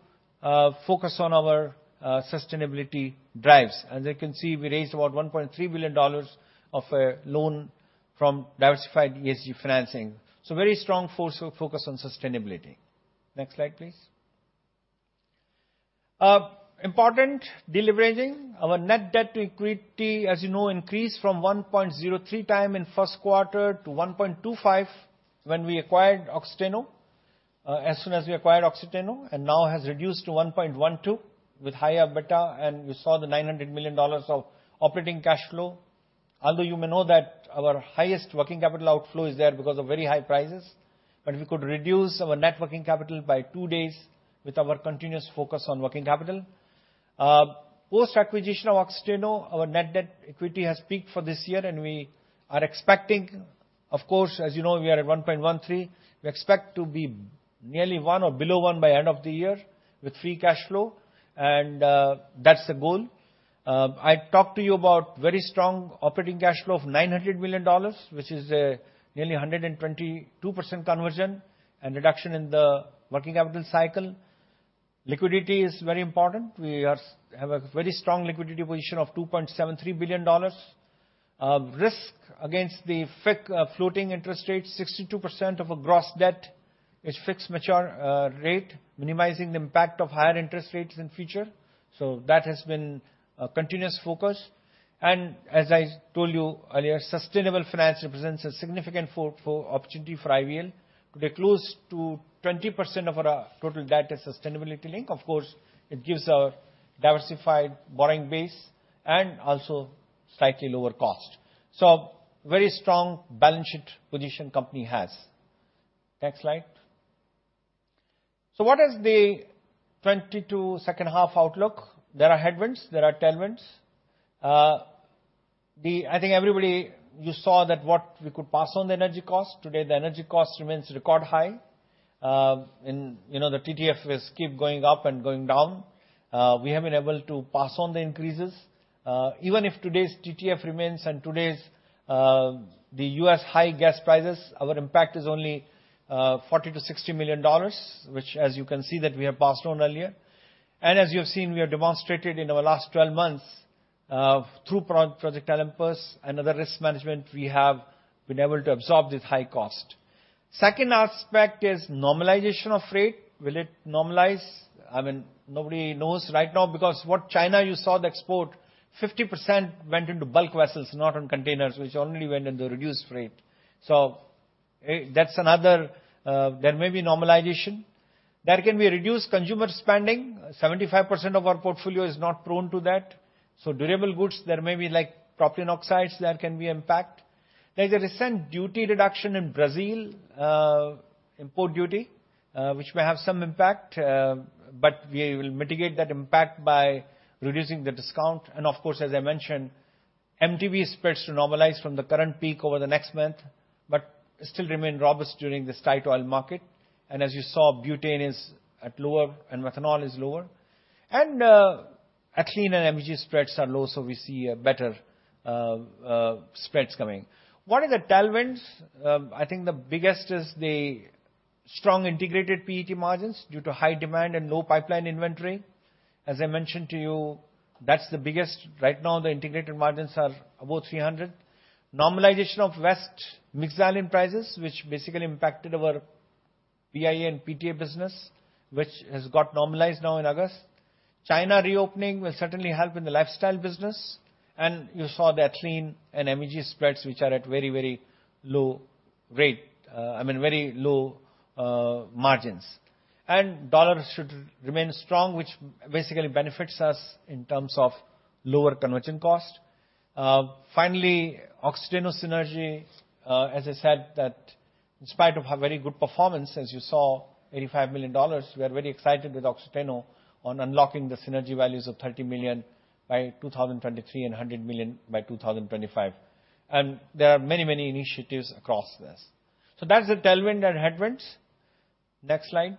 focus on our sustainability drives. As you can see, we raised about $1.3 billion of a loan from diversified ESG financing. Very strong focus on sustainability. Next slide, please. Important deleveraging. Our net debt to equity, as you know, increased from 1.03x in first quarter to 1.25 when we acquired Oxiteno, and now has reduced to 1.12 with higher EBITDA, and you saw the $900 million of operating cash flow. Although you may know that our highest working capital outflow is there because of very high prices, but we could reduce our net working capital by two days with our continuous focus on working capital. Post-acquisition of Oxiteno, our net debt equity has peaked for this year, and we are expecting, of course, as you know, we are at 1.13. We expect to be nearly 1 or below 1 by end of the year with free cash flow, and that's the goal. I talked to you about very strong operating cash flow of $900 million, which is nearly 122% conversion and reduction in the working capital cycle. Liquidity is very important. We have a very strong liquidity position of $2.73 billion. Risk against the FIC, floating interest rate, 62% of gross debt is fixed maturity rate, minimizing the impact of higher interest rates in future. That has been a continuous focus. As I told you earlier, sustainable finance represents a significant opportunity for IVL. Today, close to 20% of our total debt is sustainability linked. Of course, it gives a diversified borrowing base and also slightly lower cost. Very strong balance sheet position company has. Next slide. What is the 2022 second half outlook? There are headwinds, there are tailwinds. I think everybody, you saw that what we could pass on the energy cost. Today, the energy cost remains record high. You know, the TTF will keep going up and going down. We have been able to pass on the increases. Even if today's TTF remains and today's the U.S. high gas prices, our impact is only $40 million-$60 million, which as you can see, that we have passed on earlier. As you have seen, we have demonstrated in our last twelve months through Project Olympus and other risk management, we have been able to absorb this high cost. Second aspect is normalization of freight. Will it normalize? I mean, nobody knows right now because what China, you saw the export, 50% went into bulk vessels, not on containers, which only went in the reduced freight. That's another. There may be normalization. There can be reduced consumer spending. 75% of our portfolio is not prone to that. Durable goods, there may be, like, propylene oxides that can be impacted. There's a recent duty reduction in Brazil, import duty, which may have some impact, but we will mitigate that impact by reducing the discount. Of course, as I mentioned, MTBE spreads to normalize from the current peak over the next month, but still remain robust during this tight oil market. As you saw, butane is at lower and methanol is lower. Ethylene and MEG spreads are low, so we see a better spreads coming. What are the tailwinds? I think the biggest is the strong integrated PET margins due to high demand and low pipeline inventory. As I mentioned to you, that's the biggest. Right now, the integrated margins are above $300. Normalization of mixed xylene prices, which basically impacted our PET and PTA business, which has got normalized now in August. China reopening will certainly help in the Lifestyle business. You saw the ethylene and MEG spreads, which are at very low margins. Dollar should remain strong, which basically benefits us in terms of lower conversion cost. Finally, Oxiteno synergy, as I said that in spite of a very good performance, as you saw, $85 million, we are very excited with Oxiteno on unlocking the synergy values of $30 million by 2023 and $100 million by 2025. There are many, many initiatives across this. That's the tailwind and headwinds. Next slide.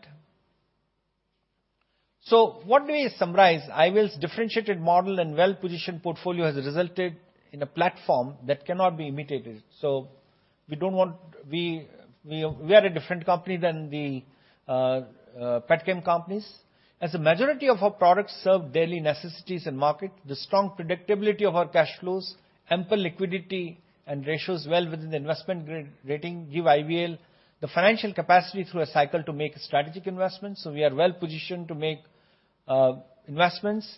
What do we summarize? IVL's differentiated model and well-positioned portfolio has resulted in a platform that cannot be imitated. We don't want. We are a different company than the petchem companies. As a majority of our products serve daily necessities and market, the strong predictability of our cash flows, ample liquidity and ratios well within the investment grade rating give IVL the financial capacity through a cycle to make strategic investments. We are well-positioned to make investments.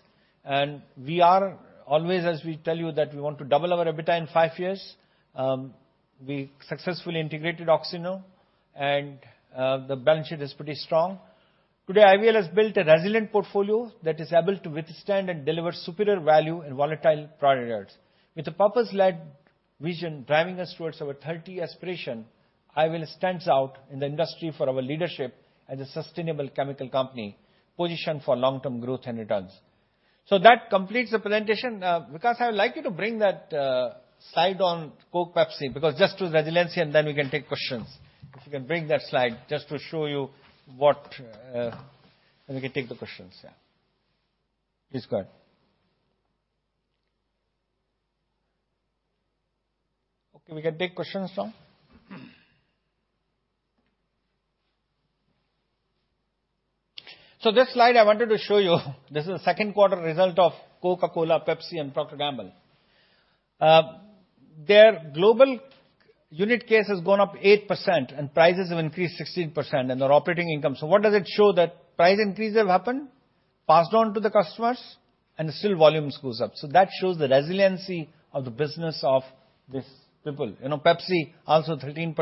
We are always, as we tell you, that we want to double our EBITDA in five years. We successfully integrated Oxiteno, and the balance sheet is pretty strong. Today, IVL has built a resilient portfolio that is able to withstand and deliver superior value in volatile priorities. With a purpose-led vision driving us towards our 2030 aspiration, IVL stands out in the industry for our leadership as a sustainable chemical company positioned for long-term growth and returns. That completes the presentation. Vikash, I would like you to bring that slide on Coke, Pepsi, because just to resiliency, and then we can take questions. If you can bring that slide just to show you what. Then we can take the questions. We can take questions now. This slide I wanted to show you. This is the second quarter result of Coca-Cola, Pepsi and Procter & Gamble. Their global unit case has gone up 8% and prices have increased 16% and their operating income. What does it show? That price increase have happened, passed on to the customers and still volumes goes up. That shows the resiliency of the business of these people. You know, Pepsi also 13%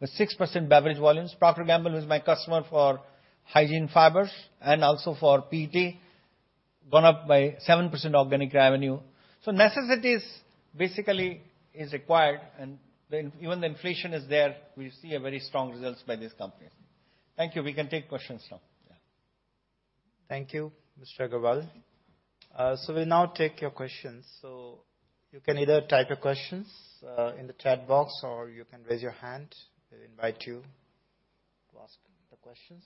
with 6% beverage volumes. Procter & Gamble, who's my customer for Hygiene Fibers and also for PET, gone up by 7% organic revenue. Necessities basically is required, and when even the inflation is there, we see a very strong results by these companies. Thank you. We can take questions now. Yeah. Thank you, Mr. Agarwal. We'll now take your questions. You can either type your questions in the chat box or you can raise your hand. We'll invite you to ask the questions.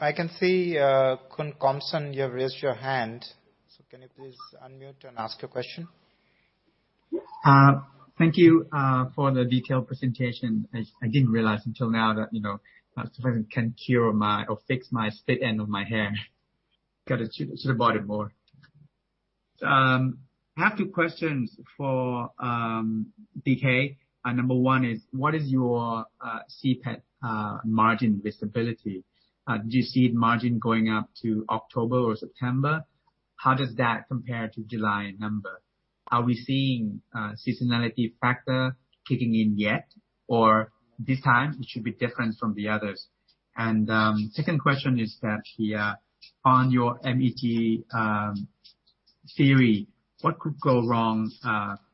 I can see Khun Komsun, you've raised your hand. Can you please unmute and ask your question? Yes. Thank you for the detailed presentation. I didn't realize until now that, you know, surfactants can cure my or fix my split end of my hair. Got to shout about it more. I have two questions for DK. Number one is, what is your CPET margin visibility? Do you see margin going up to October or September? How does that compare to July number? Are we seeing seasonality factor kicking in yet? Or this time it should be different from the others? Second question is that, on your MEG theory, what could go wrong,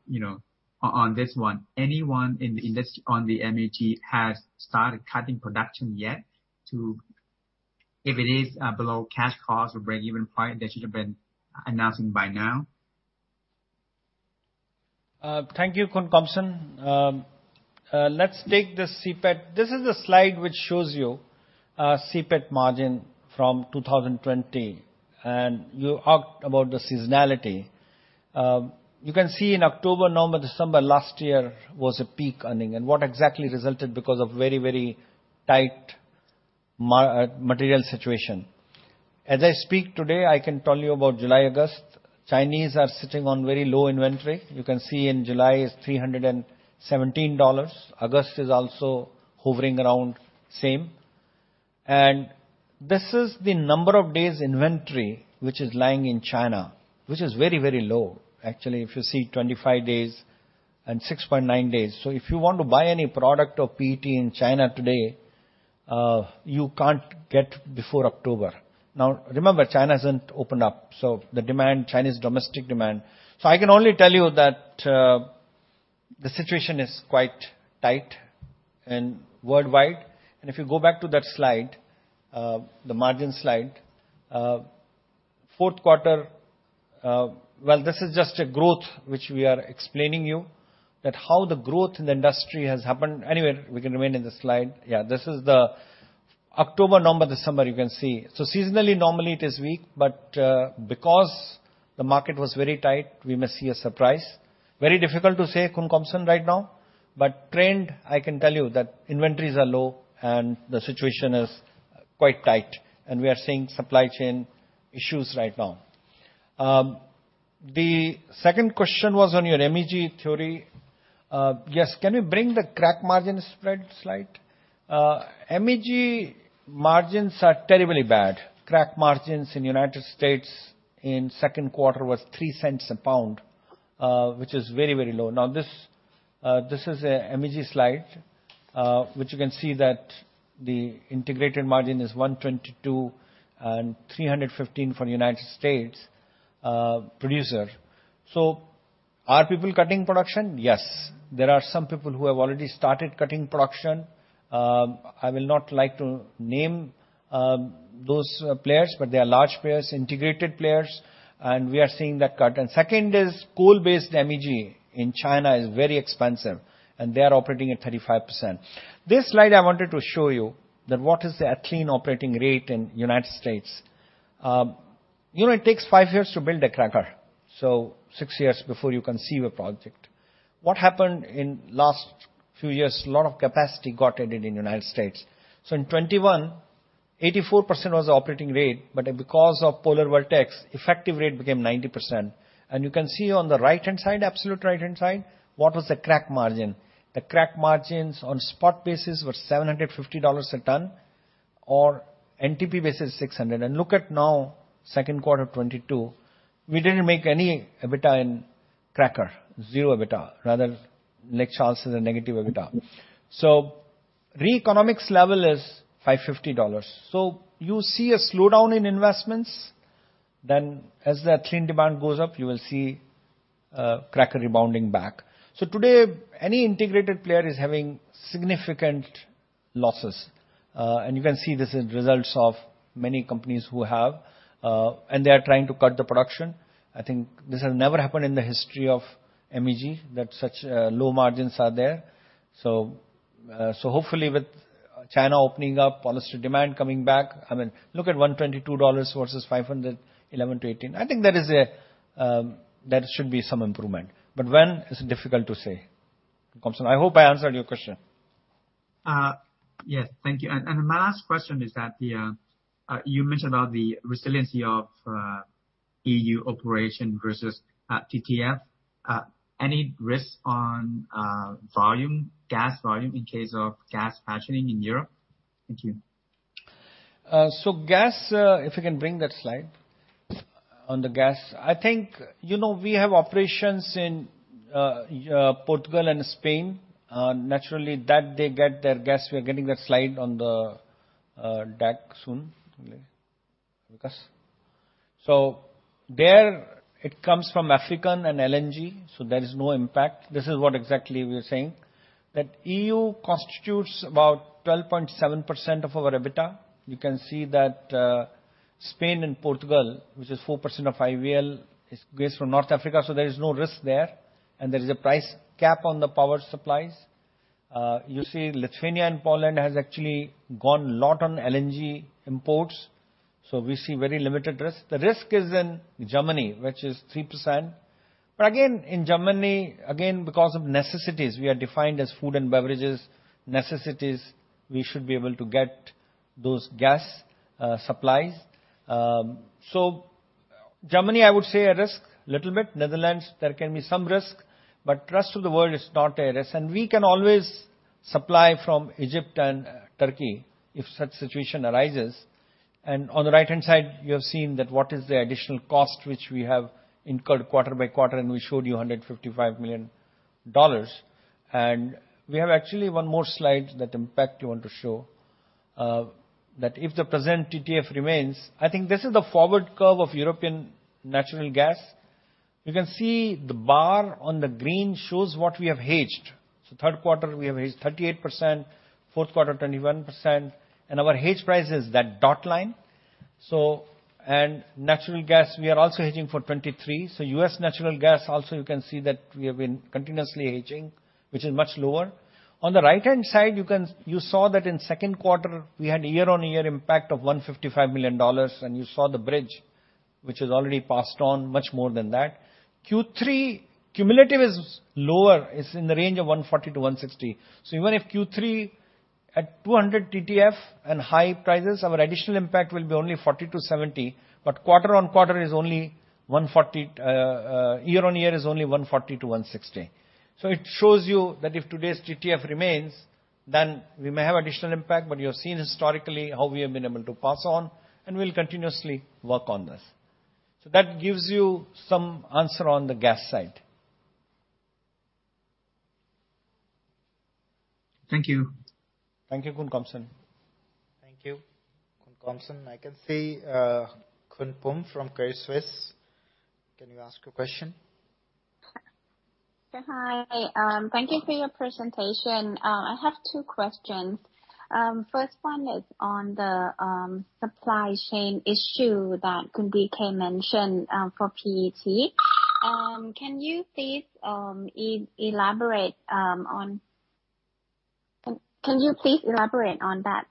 you know, on this one? Anyone in the industry on the MEG has started cutting production yet to? If it is below cash costs or breakeven point, they should have been announcing by now. Thank you, Khun Komsun. Let's take the CPET. This is a slide which shows you CPET margin from 2020. You asked about the seasonality. You can see in October, November, December last year was a peak earning, and what exactly resulted because of very, very tight material situation. As I speak today, I can tell you about July, August. Chinese are sitting on very low inventory. You can see in July is $317. August is also hovering around same. This is the number of days inventory which is lying in China, which is very, very low. Actually, if you see 25 days and 6.9 days. If you want to buy any product of PET in China today, you can't get before October. Now, remember, China hasn't opened up, so the demand, Chinese domestic demand. I can only tell you that, the situation is quite tight and worldwide. If you go back to that slide, the margin slide, fourth quarter, well, this is just a growth which we are explaining you, that how the growth in the industry has happened. Anyway, we can remain in the slide. Yeah. This is the October, November, December, you can see. Seasonally, normally it is weak, but, because the market was very tight, we may see a surprise. Very difficult to say, Khun Komsun, right now. But trend, I can tell you that inventories are low and the situation is quite tight. We are seeing supply chain issues right now. The second question was on your MEG theory. Yes. Can we bring the crack margin spread slide? MEG margins are terribly bad. Crack margins in United States in second quarter was $0.03 a pound, which is very, very low. Now, this is a MEG slide, which you can see that the integrated margin is $1.22 and $3.15 for United States producer. So are people cutting production? Yes, there are some people who have already started cutting production. I will not like to name those players, but they are large players, integrated players, and we are seeing that cut. Second is coal-based MEG in China is very expensive and they are operating at 35%. This slide I wanted to show you that what is the ethylene operating rate in United States. You know, it takes five years to build a cracker, so six years before you conceive a project. What happened in last few years, a lot of capacity got added in United States. In 2021, 84% was the operating rate, but because of polar vortex, effective rate became 90%. You can see on the right-hand side, absolute right-hand side, what was the crack margin. The crack margins on spot basis were $750 a ton or NTP basis $600. Look at now, second quarter 2022, we didn't make any EBITDA in cracker, 0 EBITDA. Rather, like Charles said, a negative EBITDA. Re-economics level is $550. You see a slowdown in investments, then as the ethylene demand goes up, you will see cracker rebounding back. Today, any integrated player is having significant losses. You can see this is results of many companies who have and they are trying to cut the production. I think this has never happened in the history of MEG, that such low margins are there. Hopefully with China opening up, polyester demand coming back, I mean, look at $122 versus $511-$18. I think there should be some improvement. When it's difficult to say, Komsun Suksumrun. I hope I answered your question. Yes. Thank you. My last question is that you mentioned about the resiliency of E.U. operation versus TTF. Any risk on volume, gas volume in case of gas rationing in Europe? Thank you. If you can bring that slide on the gas. I think, you know, we have operations in Portugal and Spain. Naturally, they get their gas. We are getting that slide on the deck soon. Vikash. There it comes from Africa and LNG, so there is no impact. This is what exactly we are saying, that E.U. constitutes about 12.7% of our EBITDA. You can see that Spain and Portugal, which is 4% of IVL, is gas from North Africa, so there is no risk there. There is a price cap on the power supplies. You see, Lithuania and Poland has actually gone a lot on LNG imports, so we see very limited risk. The risk is in Germany, which is 3%. Again, in Germany, again, because of necessities, we are defined as food and beverages necessities, we should be able to get those gas supplies. Germany, I would say a risk, little bit. Netherlands, there can be some risk. Rest of the world is not a risk. We can always supply from Egypt and Turkey if such situation arises. On the right-hand side, you have seen that what is the additional cost which we have incurred quarter by quarter, and we showed you $155 million. We have actually one more slide that impact you want to show, that if the present TTF remains, I think this is the forward curve of European natural gas. You can see the bar on the green shows what we have hedged. Third quarter, we have hedged 38%, fourth quarter 21%, and our hedge price is that dotted line. Natural gas, we are also hedging for 2023. U.S. natural gas also you can see that we have been continuously hedging, which is much lower. On the right-hand side, you saw that in second quarter we had year-on-year impact of $155 million, and you saw the bridge which was already passed on much more than that. Q3 cumulative is lower. It's in the range of $140-$160. Even if Q3 at 200 TTF and high prices, our additional impact will be only $40-$70, but quarter-on-quarter is only $140, year-on-year is only $140-$160. It shows you that if today's TTF remains, then we may have additional impact, but you have seen historically how we have been able to pass on, and we'll continuously work on this. That gives you some answer on the gas side. Thank you. Thank you, Khun Komsun. Thank you, Khun Komsun. I can see, Khun Pum from Credit Suisse. Can you ask your question? Hi. Thank you for your presentation. I have two questions. First one is on the supply chain issue that Khun DK mentioned for PET. Can you please elaborate on that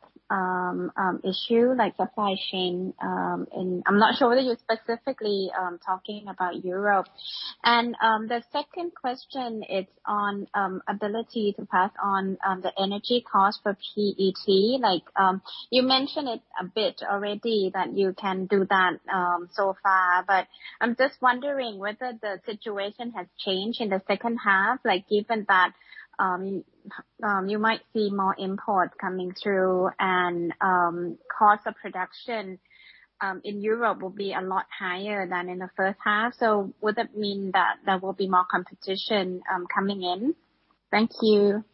issue, like supply chain, and I'm not sure whether you're specifically talking about Europe. The second question is on ability to pass on the energy cost for PET. Like, you mentioned it a bit already that you can do that so far, but I'm just wondering whether the situation has changed in the second half, like given that you might see more imports coming through and cost of production in Europe will be a lot higher than in the first half. Would that mean that there will be more competition, coming in? Thank you.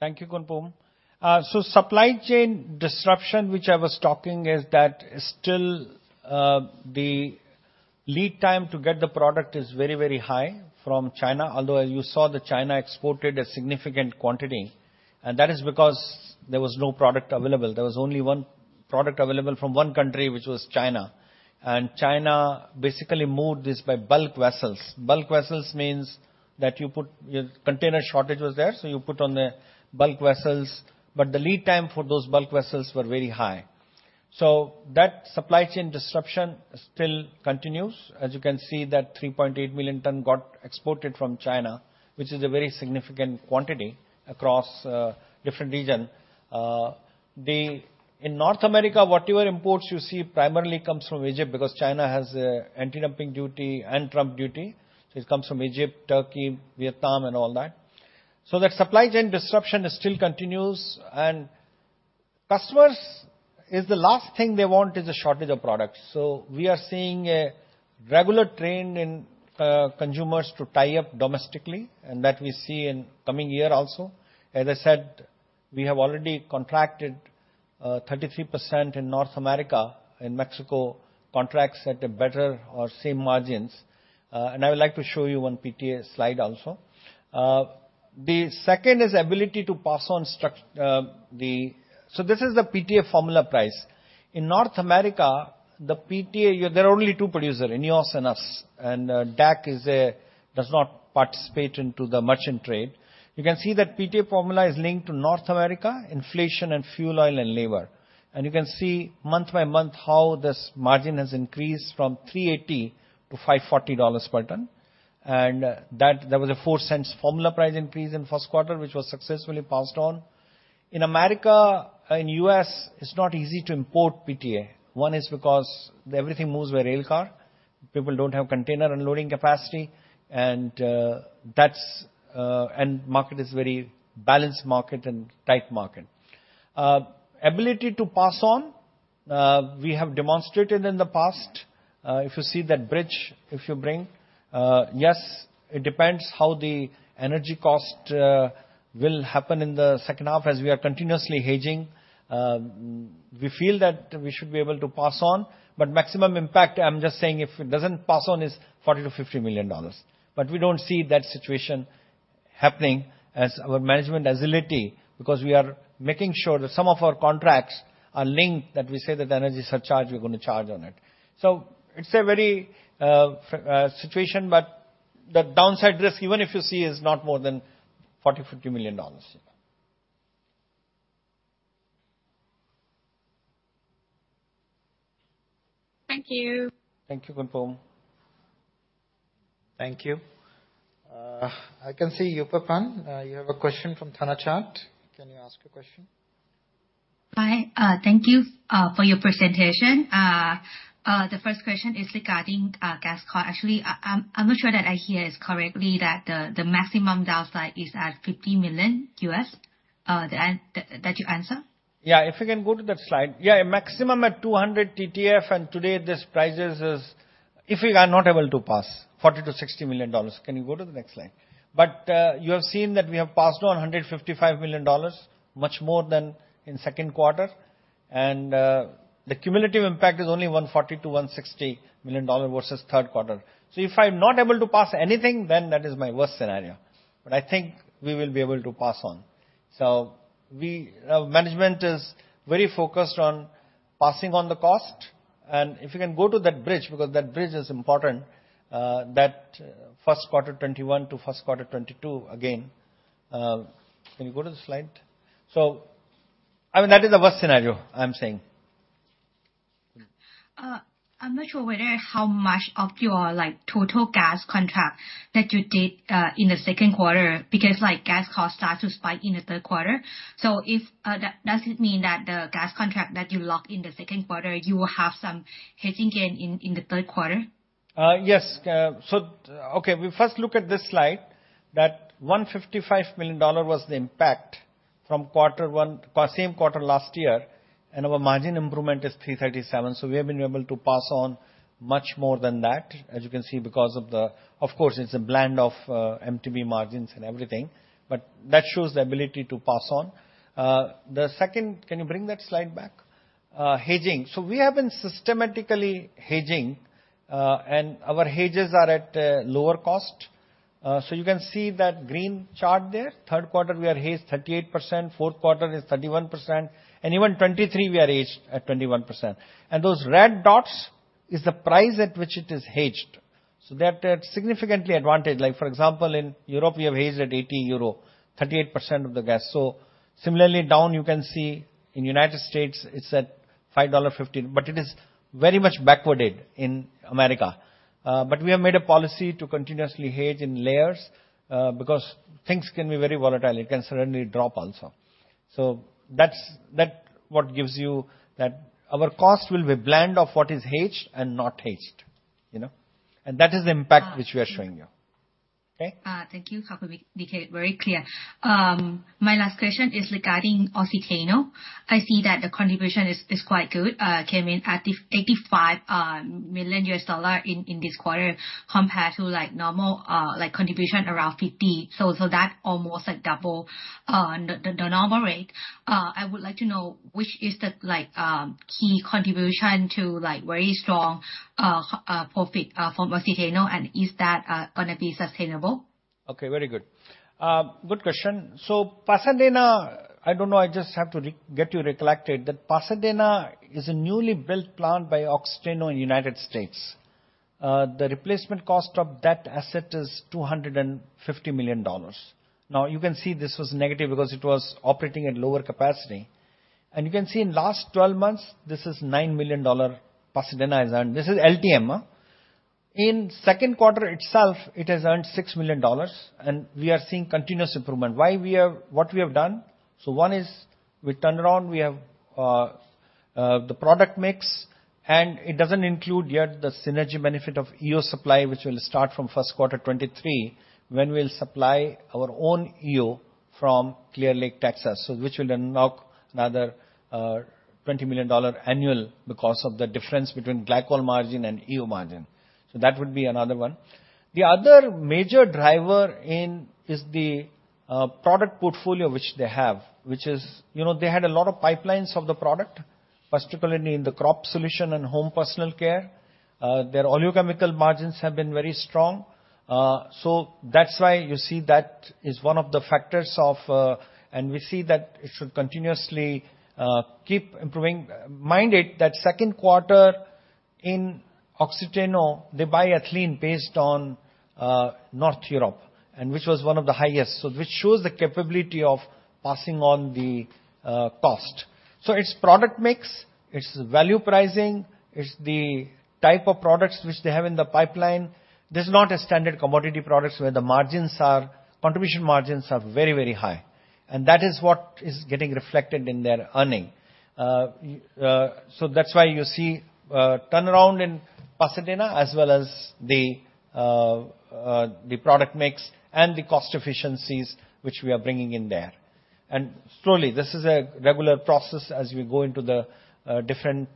Thank you, Khun Pum. Supply chain disruption which I was talking is that still, the lead time to get the product is very, very high from China. Although as you saw that China exported a significant quantity, and that is because there was no product available. There was only one product available from one country, which was China. China basically moved this by bulk vessels. Bulk vessels means container shortage was there, so you put on the bulk vessels. The lead time for those bulk vessels were very high. That supply chain disruption still continues. As you can see that 3.8 million ton got exported from China, which is a very significant quantity across different region. In North America, whatever imports you see primarily comes from Egypt because China has anti-dumping duty and Trump duty. It comes from Egypt, Turkey, Vietnam and all that. The supply chain disruption still continues. Customers, the last thing they want is a shortage of products. We are seeing a regular trend in consumers to tie up domestically, and that we see in coming year also. As I said, we have already contracted 33% in North America, in Mexico, contracts at a better or same margins. I would like to show you one PTA slide also. The second is ability to pass on costs. This is the PTA formula price. In North America, the PTA, there are only two producers, INEOS and us, and DAK does not participate into the merchant trade. You can see that PTA formula is linked to North America inflation and fuel oil and labor. You can see month by month how this margin has increased from $380 to $540 per ton. That there was a $0.04 formula price increase in first quarter, which was successfully passed on. In America, in U.S., it's not easy to import PTA. One is because everything moves by rail car. People don't have container unloading capacity, and market is very balanced and tight market. Ability to pass on, we have demonstrated in the past, if you see that bridge, yes, it depends how the energy cost will happen in the second half. As we are continuously hedging, we feel that we should be able to pass on. But maximum impact, I'm just saying if it doesn't pass on, is $40 million-$50 million. We don't see that situation happening as our management agility, because we are making sure that some of our contracts are linked, that we say that the energy surcharge we're gonna charge on it. It's a very situation, but the downside risk, even if you see, is not more than $40 million-$50 million. Thank you. Thank you, Khun Pum. Thank you. I can see you Yupapan. You have a question from Thanachart. Can you ask your question? Hi. Thank you for your presentation. The first question is regarding gas cost. Actually, I'm not sure that I hear it correctly that the maximum downside is at $50 million, the answer that you answer. If you can go to that slide. Maximum at 200 TTF, and today this price is, if we are not able to pass, $40 million-$60 million. Can you go to the next slide? You have seen that we have passed on $155 million, much more than in second quarter. The cumulative impact is only $140 million-$160 million versus third quarter. If I'm not able to pass anything, then that is my worst scenario. I think we will be able to pass on. Management is very focused on passing on the cost. If you can go to that bridge, because that bridge is important, that first quarter 2021 to first quarter 2022 again. Can you go to the slide? I mean, that is the worst scenario I'm saying. I'm not sure whether how much of your, like, total gas contract that you did in the second quarter because, like, gas costs start to spike in the third quarter. Does it mean that the gas contract that you locked in the second quarter you will have some hedging gain in the third quarter? Yes. We first look at this slide, that $155 million was the impact from quarter one, same quarter last year, and our margin improvement is $337. We have been able to pass on much more than that, as you can see, because of the. Of course, it's a blend of MTBE margins and everything, but that shows the ability to pass on. The second. Can you bring that slide back? Hedging. We have been systematically hedging, and our hedges are at lower cost. You can see that green chart there. Third quarter we are hedged 38%, fourth quarter is 31%, and even 2023 we are hedged at 21%. Those red dots is the price at which it is hedged, so they are at significant advantage. Like for example, in Europe we have hedged at 80 euro, 38% of the gas. Similarly down you can see in United States it's at $5.15, but it is very much backwardated in America. But we have made a policy to continuously hedge in layers, because things can be very volatile. It can suddenly drop also. That's what gives you that our cost will be a blend of what is hedged and not hedged, you know. That is the impact which we are showing you. Okay? Thank you. Okay. Very clear. My last question is regarding Oxiteno. I see that the contribution is quite good. Came in at $85 million in this quarter compared to like normal like contribution around $50 million. That almost like double the normal rate. I would like to know which is the like key contribution to like very strong profit from Oxiteno, and is that gonna be sustainable? Okay. Very good. Good question. Pasadena, I don't know, I just have to get you recollected that Pasadena is a newly built plant by Oxiteno in United States. The replacement cost of that asset is $250 million. Now you can see this was negative because it was operating at lower capacity. You can see in last 12 months, this is $9 million Pasadena has earned. This is LTM, huh? In second quarter itself, it has earned $6 million and we are seeing continuous improvement. What we have done? One is we turned around, we have the product mix, and it doesn't include yet the synergy benefit of EO supply, which will start from first quarter 2023, when we'll supply our own EO from Clear Lake, Texas. Which will unlock another $20 million annual because of the difference between glycol margin and EO margin. That would be another one. The other major driver is the product portfolio which they have, which is. You know, they had a lot of pipelines of the product, particularly in the crop solution and home personal care. Their oleochemical margins have been very strong. So that's why you see that is one of the factors of. We see that it should continuously keep improving. Mind it, that second quarter in Oxiteno, they buy ethylene based on North Europe, and which was one of the highest. Which shows the capability of passing on the cost. It's product mix, it's value pricing, it's the type of products which they have in the pipeline. This is not a standard commodity products where the margins are contribution margins are very, very high, and that is what is getting reflected in their earnings. That's why you see turnaround in Pasadena as well as the product mix and the cost efficiencies which we are bringing in there. Slowly, this is a regular process as we go into the different.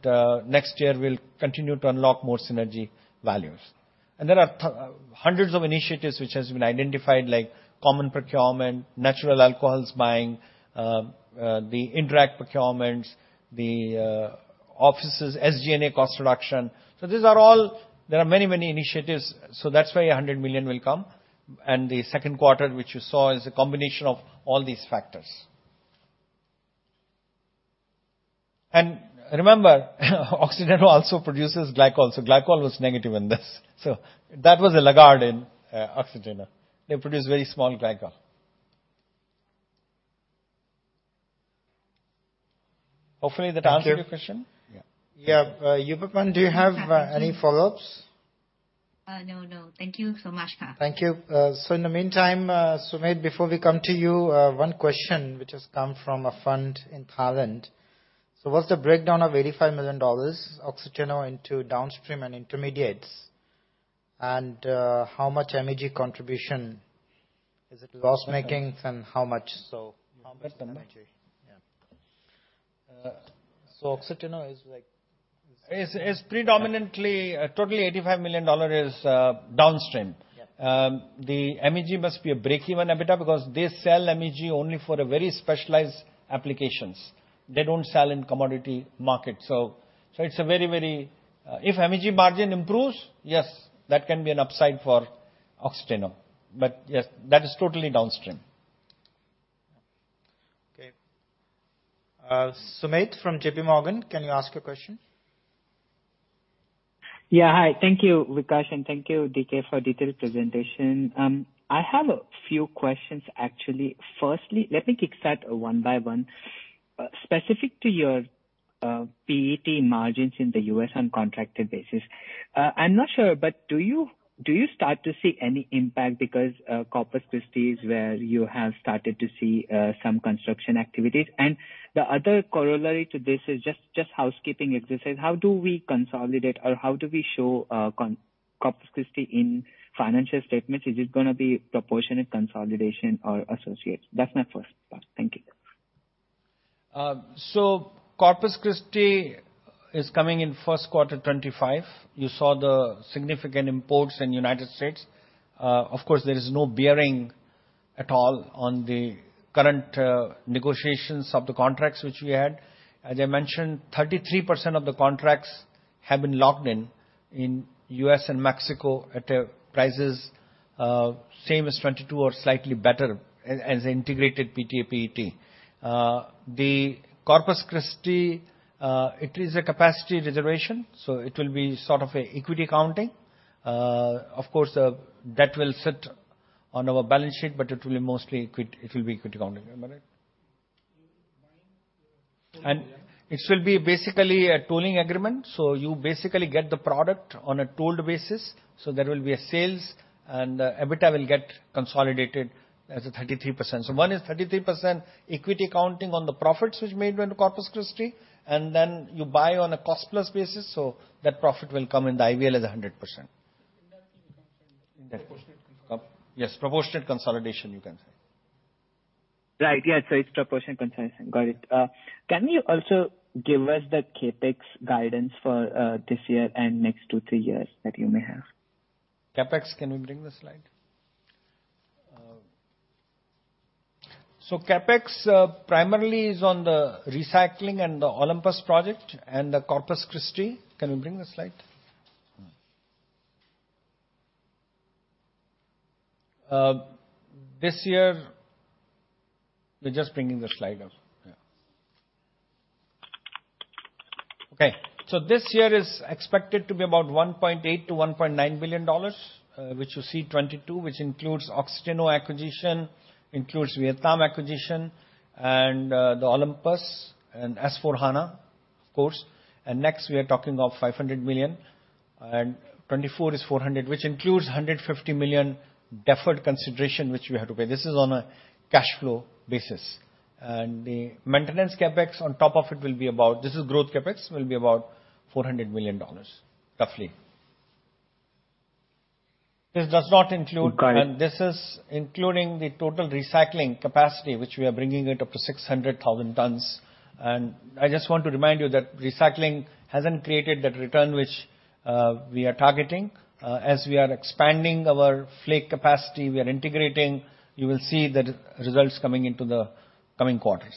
Next year we'll continue to unlock more synergy values. There are hundreds of initiatives which has been identified, like common procurement, natural alcohols buying, the indirect procurements, the offices, SG&A cost reduction. These are all. There are many, many initiatives, that's why $100 million will come. The second quarter, which you saw, is a combination of all these factors. Remember, Oxiteno also produces glycol. Glycol was negative in this, so that was a laggard in Oxiteno. They produce very small glycol. Hopefully that answered your question. Thank you. Yeah, do you have any follow-ups? No, no. Thank you so much. Thank you. In the meantime, Sumedh, before we come to you, one question which has come from a fund in Thailand. What's the breakdown of $85 million Oxiteno into downstream and intermediates? And, how much MEG contribution? Is it loss-making and how much so? Oxiteno is like. It's predominantly totally $85 million is downstream. Yep. The MEG must be a breakeven EBITDA because they sell MEG only for a very specialized applications. They don't sell in commodity market. If MEG margin improves, yes, that can be an upside for Oxiteno. Yes, that is totally downstream. Okay. Sumedh from JPMorgan, can you ask a question? Yeah. Hi. Thank you, Vikash, and thank you, DK, for detailed presentation. I have a few questions, actually. Firstly, let me kick start one by one. Specific to your PET margins in the U.S. on contracted basis, I'm not sure, but do you start to see any impact because Corpus Christi is where you have started to see some construction activities? The other corollary to this is just housekeeping exercises. How do we consolidate, or how do we show Corpus Christi in financial statements? Is it gonna be proportionate consolidation or associates? That's my first part. Thank you. Corpus Christi is coming in first quarter 2025. You saw the significant imports in United States. Of course, there is no bearing at all on the current negotiations of the contracts which we had. As I mentioned, 33% of the contracts have been locked in U.S. and Mexico at prices same as 2022 or slightly better as integrated PTA/PET. The Corpus Christi, it is a capacity reservation, so it will be sort of an equity accounting. Of course, that will sit on our balance sheet, but it will be equity accounting. Am I right? You will mine the- It will be basically a tooling agreement, so you basically get the product on a tooled basis. There will be a sales and EBITDA will get consolidated as a 33%. One is 33% equity accounting on the profits which made by the Corpus Christi, and then you buy on a cost-plus basis, that profit will come in the IVL as a 100%. In that you can say proportionate consolidation. Yes, proportionate consolidation, you can say. Right. Yeah. It's proportionate consolidation. Got it. Can you also give us the CapEx guidance for this year and next two, three years that you may have? CapEx. Can we bring the slide? CapEx primarily is on the recycling and the Olympus Project and the Corpus Christi. Can we bring the slide? This year they're just bringing the slide up. Yeah. Okay. This year is expected to be about $1.8 billion-$1.9 billion, which you see 2022, which includes Oxiteno acquisition, includes Vietnam acquisition and the Project Olympus and S/4HANA, of course. Next we are talking of $500 million. 2024 is $400 million, which includes $150 million deferred consideration, which we have to pay. This is on a cash flow basis. The maintenance CapEx on top of it will be about. This is growth CapEx, will be about $400 million, roughly. This does not include. Got it. This is including the total recycling capacity, which we are bringing it up to 600,000 tons. I just want to remind you that recycling hasn't created that return which we are targeting. As we are expanding our flake capacity, we are integrating, you will see the results coming into the coming quarters.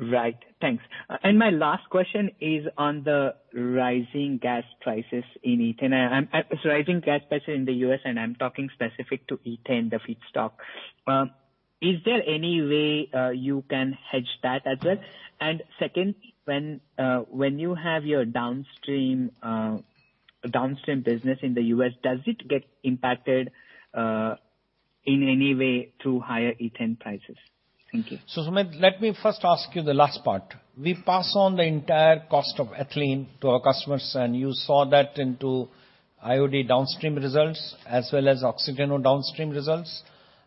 Right. Thanks. My last question is on the rising gas prices in ethane. Rising gas prices in the U.S., and I'm talking specific to ethane, the feedstock. Is there any way you can hedge that as well? Second, when you have your downstream business in the U.S., does it get impacted in any way through higher ethane prices? Thank you. Sumedh, let me first ask you the last part. We pass on the entire cost of ethylene to our customers, and you saw that into IOD downstream results as well as Oxiteno downstream results.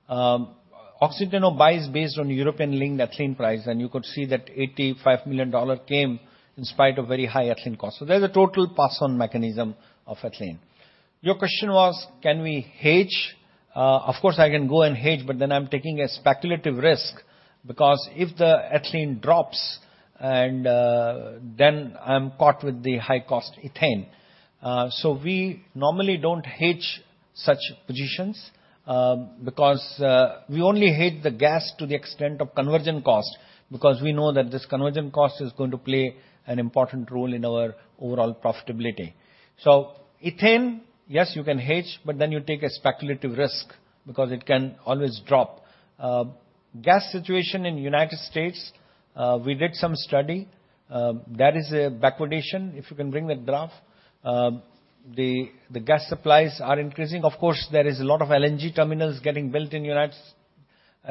Oxiteno buys based on European-linked ethylene price, and you could see that $85 million came in spite of very high ethylene cost. There's a total pass-on mechanism of ethylene. Your question was, can we hedge? Of course, I can go and hedge, but then I'm taking a speculative risk because if the ethylene drops and then I'm caught with the high cost ethane. We normally don't hedge such positions, because we only hedge the gas to the extent of conversion cost because we know that this conversion cost is going to play an important role in our overall profitability. Ethane, yes, you can hedge, but then you take a speculative risk because it can always drop. Gas situation in United States, we did some study that is a backwardation, if you can bring that graph. The gas supplies are increasing. Of course, there is a lot of LNG terminals getting built in United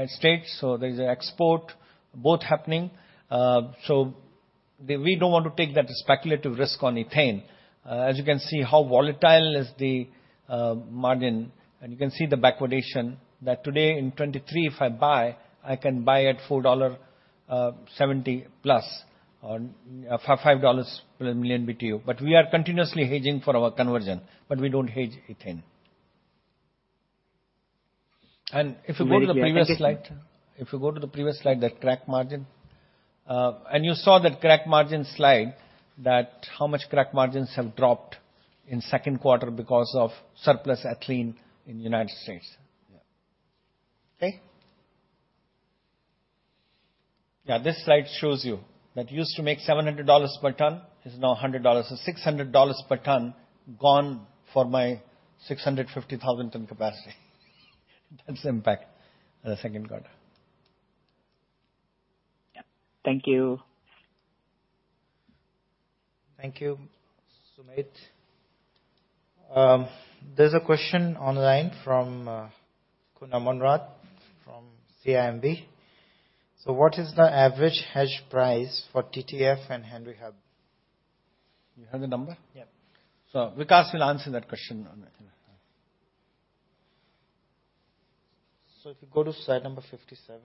States, so there is an export boom happening. We don't want to take that speculative risk on ethane. As you can see how volatile is the margin, and you can see the backwardation that today in 2023 if I buy, I can buy at $4.70-$5 per million BTU. But we are continuously hedging for our conversion, but we don't hedge ethane. If you go to the previous slide, that crack margin. You saw that crack margin slide that shows how much crack margins have dropped in the second quarter because of surplus ethylene in the United States. Yeah. Okay? Yeah, this slide shows you that used to make $700 per ton is now $100. $600 dollars per ton gone for my 650,000 ton capacity. That's the impact of the second quarter. Yeah. Thank you. Thank you, Sumedh. There's a question online from Khun Amornrat from CIMB. What is the average hedge price for TTF and Henry Hub? You have the number? Yeah. Vikash will answer that question on that. If you go to slide number 37.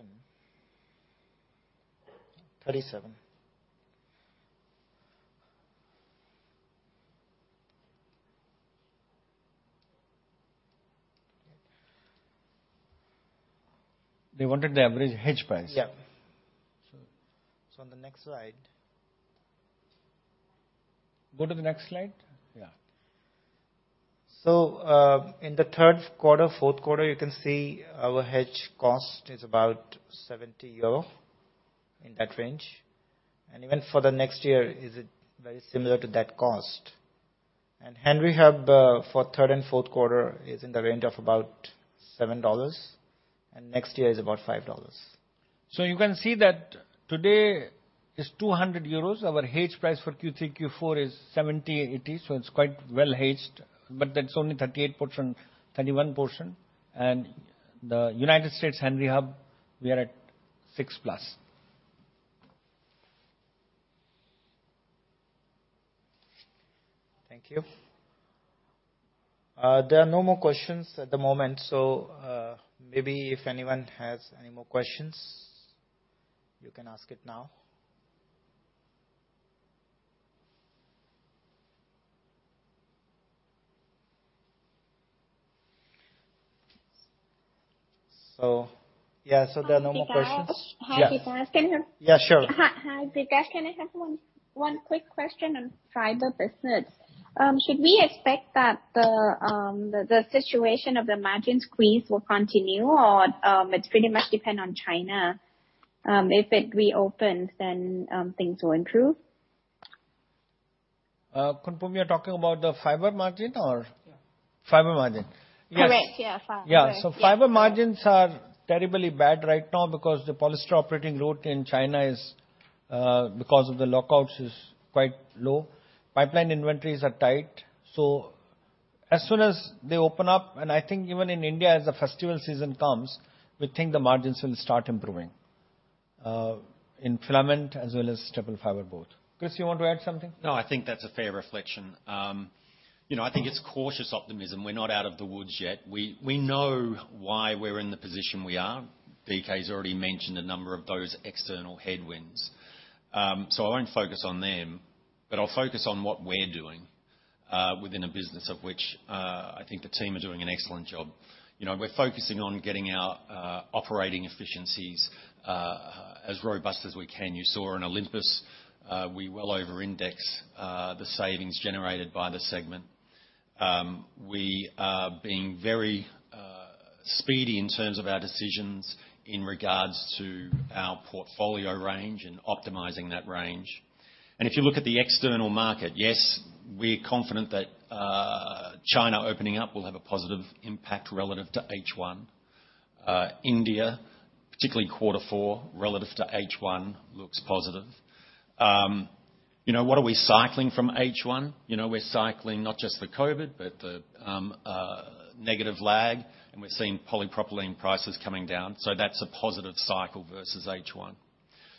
They wanted the average hedge price. On the next slide. Go to the next slide. In the third quarter, fourth quarter, you can see our hedge cost is about 70 euro, in that range. Even for the next year is very similar to that cost. Henry Hub, for third and fourth quarter is in the range of about $7, and next year is about $5. You can see that today is 200 euros. Our hedge price for Q3, Q4 is 70, 80, so it's quite well hedged. That's only 38 portion, 31 portion. The United States Henry Hub, we are at $6+. Thank you. There are no more questions at the moment. Maybe if anyone has any more questions, you can ask it now. Yeah. There are no more questions. Hi, Vikash. Yeah. Can I ask anything? Yeah, sure. Hi, Vikash. Can I have one quick question on Fibers business? Should we expect that the situation of the margins squeeze will continue or it pretty much depend on China? If it reopens then things will improve. Khun Pum, you're talking about the Fibers margin or Yeah. Fibers margin. Correct. Yeah, Fibers. Yeah. Fibers margins are terribly bad right now because the polyester operating load in China is quite low because of the lockdowns. Pipeline inventories are tight, so as soon as they open up, and I think even in India as the festival season comes, we think the margins will start improving in Filament as well as staple Fibers both. Chris, you want to add something? No, I think that's a fair reflection. You know, I think it's cautious optimism. We're not out of the woods yet. We know why we're in the position we are. DK's already mentioned a number of those external headwinds. So I won't focus on them, but I'll focus on what we're doing within a business of which I think the team are doing an excellent job. You know, we're focusing on getting our operating efficiencies as robust as we can. You saw in Olympus we well over index the savings generated by the segment. We are being very speedy in terms of our decisions in regards to our portfolio range and optimizing that range. If you look at the external market, yes, we're confident that China opening up will have a positive impact relative to H1. India, particularly quarter four relative to H1, looks positive. You know, what are we cycling from H1? You know, we're cycling not just the COVID, but the negative lag, and we're seeing polypropylene prices coming down. That's a positive cycle versus H1.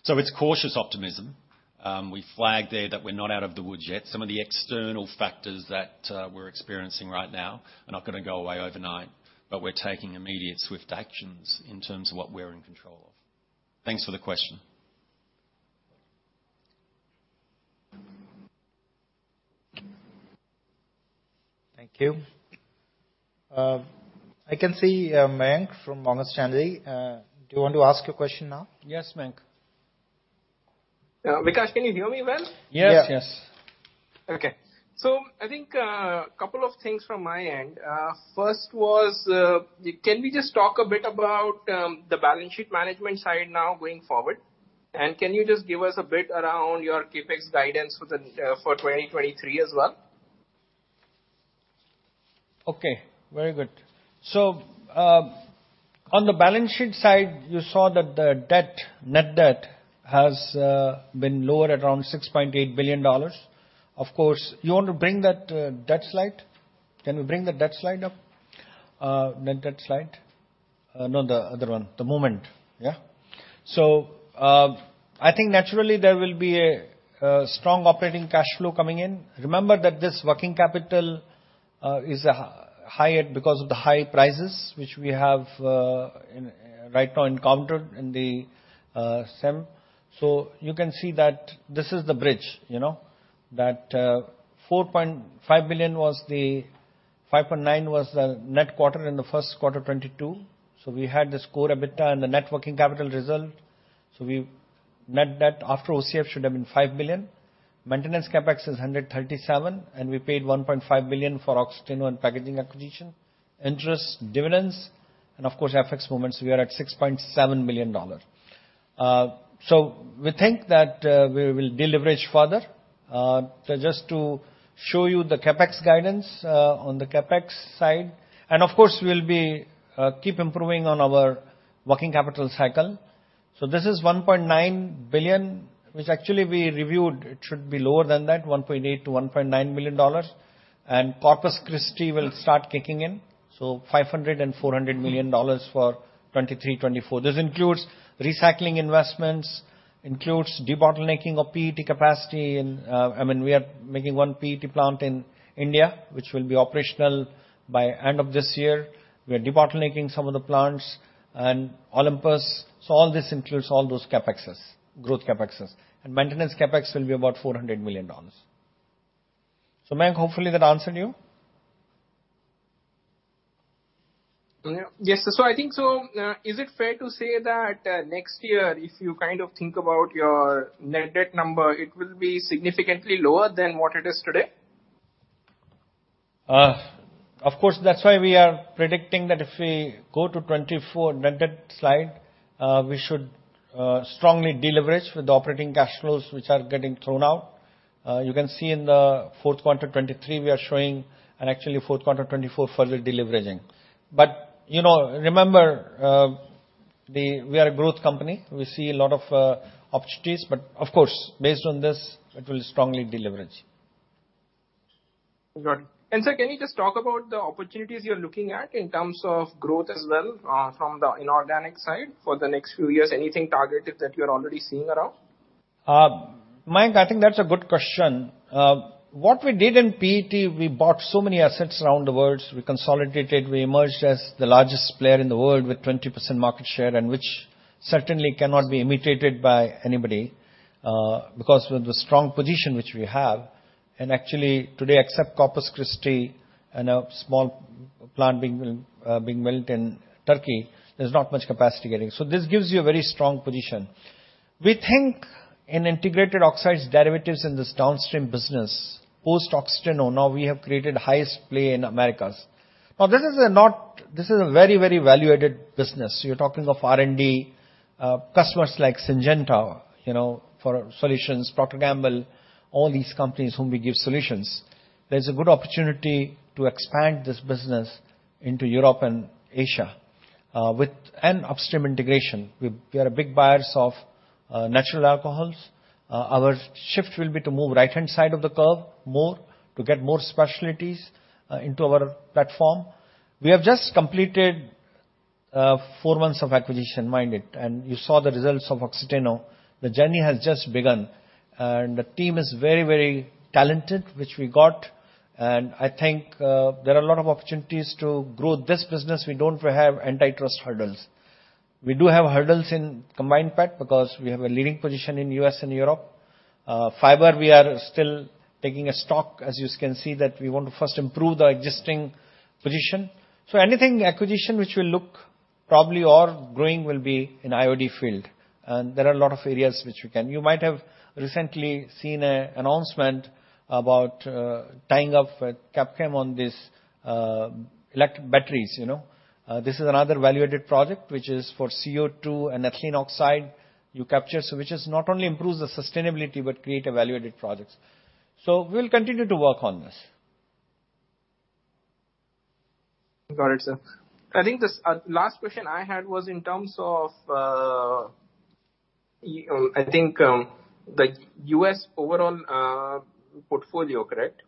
It's cautious optimism. We flagged there that we're not out of the woods yet. Some of the external factors that we're experiencing right now are not gonna go away overnight, but we're taking immediate swift actions in terms of what we're in control of. Thanks for the question. Thank you. I can see, Mayank from Morgan Stanley. Do you want to ask your question now? Yes, Mayank. Yeah. Vikash, can you hear me well? Yes. Yes. Okay. I think couple of things from my end. First, can we just talk a bit about the balance sheet management side now going forward? Can you just give us a bit around your CapEx guidance for 2023 as well? Okay, very good. On the balance sheet side you saw that the debt, net debt has been lower at around $6.8 billion. Of course, you want to bring that, debt slide? Can we bring the debt slide up? Net debt slide. No, the other one. The movement. Yeah. I think naturally there will be a strong operating cash flow coming in. Remember that this working capital is higher because of the high prices which we have right now encountered in the SEM. You can see that this is the bridge, you know. That $5.9 billion was the net quarter in the first quarter 2022. We had this core EBITDA and the net working capital result. We net that after OCF should have been $5 billion. Maintenance CapEx is $137 million, and we paid $1.5 billion for Oxiteno and Packaging acquisition, interest, dividends, and of course FX movements. We are at $6.7 billion. We think that we will deleverage further. Just to show you the CapEx guidance on the CapEx side, and of course we'll be keep improving on our working capital cycle. This is $1.9 billion, which actually we reviewed. It should be lower than that, $1.8 billion-$1.9 billion. Corpus Christi will start kicking in, so $500 million and $400 million for 2023, 2024. This includes recycling investments, includes debottlenecking of PET capacity in. I mean, we are making one PET plant in India, which will be operational by end of this year. We are debottlenecking some of the plants and Olympus. All this includes all those CapExes, growth CapExes. Maintenance CapEx will be about $400 million. Mayank, hopefully that answered you. Yeah. Yes. I think so, is it fair to say that, next year, if you kind of think about your net debt number, it will be significantly lower than what it is today? Of course, that's why we are predicting that if we go to 2024 net debt slide, we should strongly deleverage with the operating cash flows which are getting thrown out. You can see in the fourth quarter 2023 we are showing and actually fourth quarter 2024 further deleveraging. You know, remember, we are a growth company. We see a lot of opportunities, but of course, based on this, it will strongly deleverage. Got it. Sir, can you just talk about the opportunities you're looking at in terms of growth as well, from the inorganic side for the next few years? Anything targeted that you're already seeing around? Mayank, I think that's a good question. What we did in PET, we bought so many assets around the world. We consolidated, we emerged as the largest player in the world with 20% market share, and which certainly cannot be imitated by anybody, because of the strong position which we have. Actually, today, except Corpus Christi and a small plant being built in Turkey, there's not much capacity getting. This gives you a very strong position. We think in integrated oxides derivatives in this downstream business, post Oxiteno, now we have created highest play in Americas. This is a very, very value-added business. You're talking of R&D, customers like Syngenta, you know, for solutions, Procter & Gamble, all these companies whom we give solutions. There's a good opportunity to expand this business into Europe and Asia with an upstream integration. We are big buyers of natural alcohols. Our shift will be to move right-hand side of the curve more to get more specialties into our platform. We have just completed four months of acquisition, mind it, and you saw the results of Oxiteno. The journey has just begun. The team is very, very talented, which we got, and I think there are a lot of opportunities to grow this business. We don't have antitrust hurdles. We do have hurdles in Combined PET because we have a leading position in U.S. and Europe. Fibers, we are still taking stock, as you can see, that we want to first improve the existing position. Anything acquisition which will look probably or growing will be in IoT field, and there are a lot of areas which we can. You might have recently seen a announcement about tying up Capchem on this, electrolyte batteries, you know. This is another value-added project which is for CO2 and ethylene oxide you capture. Which is not only improves the sustainability but create a value-added projects. We'll continue to work on this. Got it, sir. I think this last question I had was in terms of you know I think the U.S. overall portfolio correct?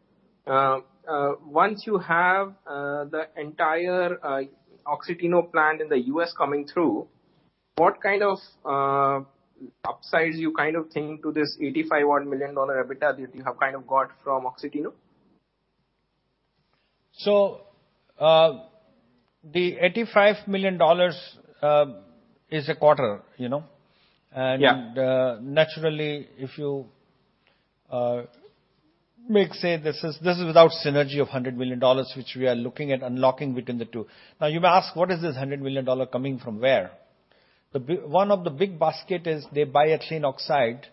Once you have the entire Oxiteno plant in the U.S. coming through what kind of upsides you kind of think to this $85 odd million EBITDA that you have kind of got from Oxiteno? The $85 million is a quarter, you know. Yeah. Naturally, if you make say this is, this is without synergy of $100 million, which we are looking at unlocking between the two. Now, you may ask, what is this $100 million coming from where? One of the big basket is they buy ethylene oxide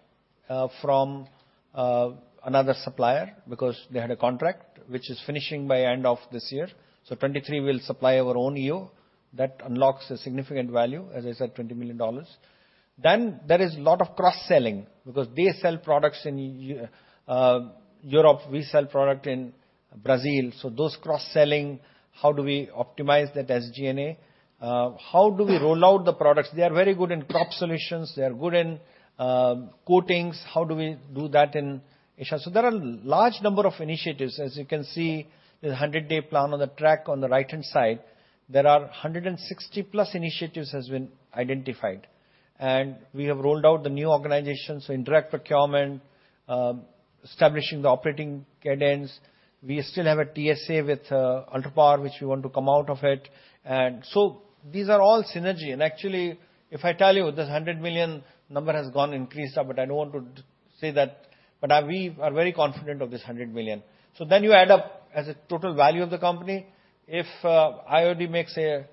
from another supplier because they had a contract which is finishing by end of this year. 2023 we'll supply our own EO. That unlocks a significant value, as I said, $20 million. Then there is lot of cross-selling because they sell products in Europe, we sell product in Brazil. Those cross-selling, how do we optimize that SG&A? How do we roll out the products? They are very good in crop solutions. They are good in coatings. How do we do that in Asia? There are a large number of initiatives. As you can see, the 100-day plan on track on the right-hand side, there are 160+ initiatives that have been identified. We have rolled out the new organization, indirect procurement, establishing the operating cadence. We still have a TSA with Ultrapar, which we want to come out of it. These are all synergy. Actually, if I tell you this $100 million number has gone increased, but I don't want to say that, but we are very confident of this $100 million. Then you add up as a total value of the company. If IOD makes an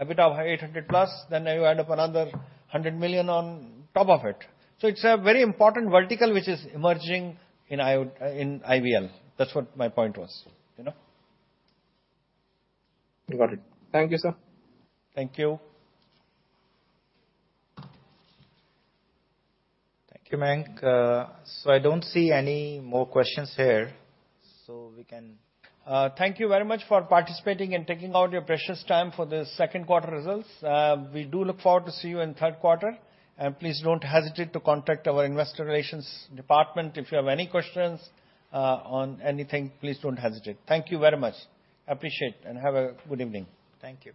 EBITDA of $800 million+, then you add up another $100 million on top of it. It's a very important vertical which is emerging in IVL. That's what my point was, you know. Got it. Thank you, sir. Thank you. Thank you, Mayank. I don't see any more questions here, so we can. Thank you very much for participating and taking out your precious time for the second quarter results. We do look forward to see you in third quarter, and please don't hesitate to contact our investor relations department. If you have any questions, on anything, please don't hesitate. Thank you very much. Appreciate and have a good evening. Thank you.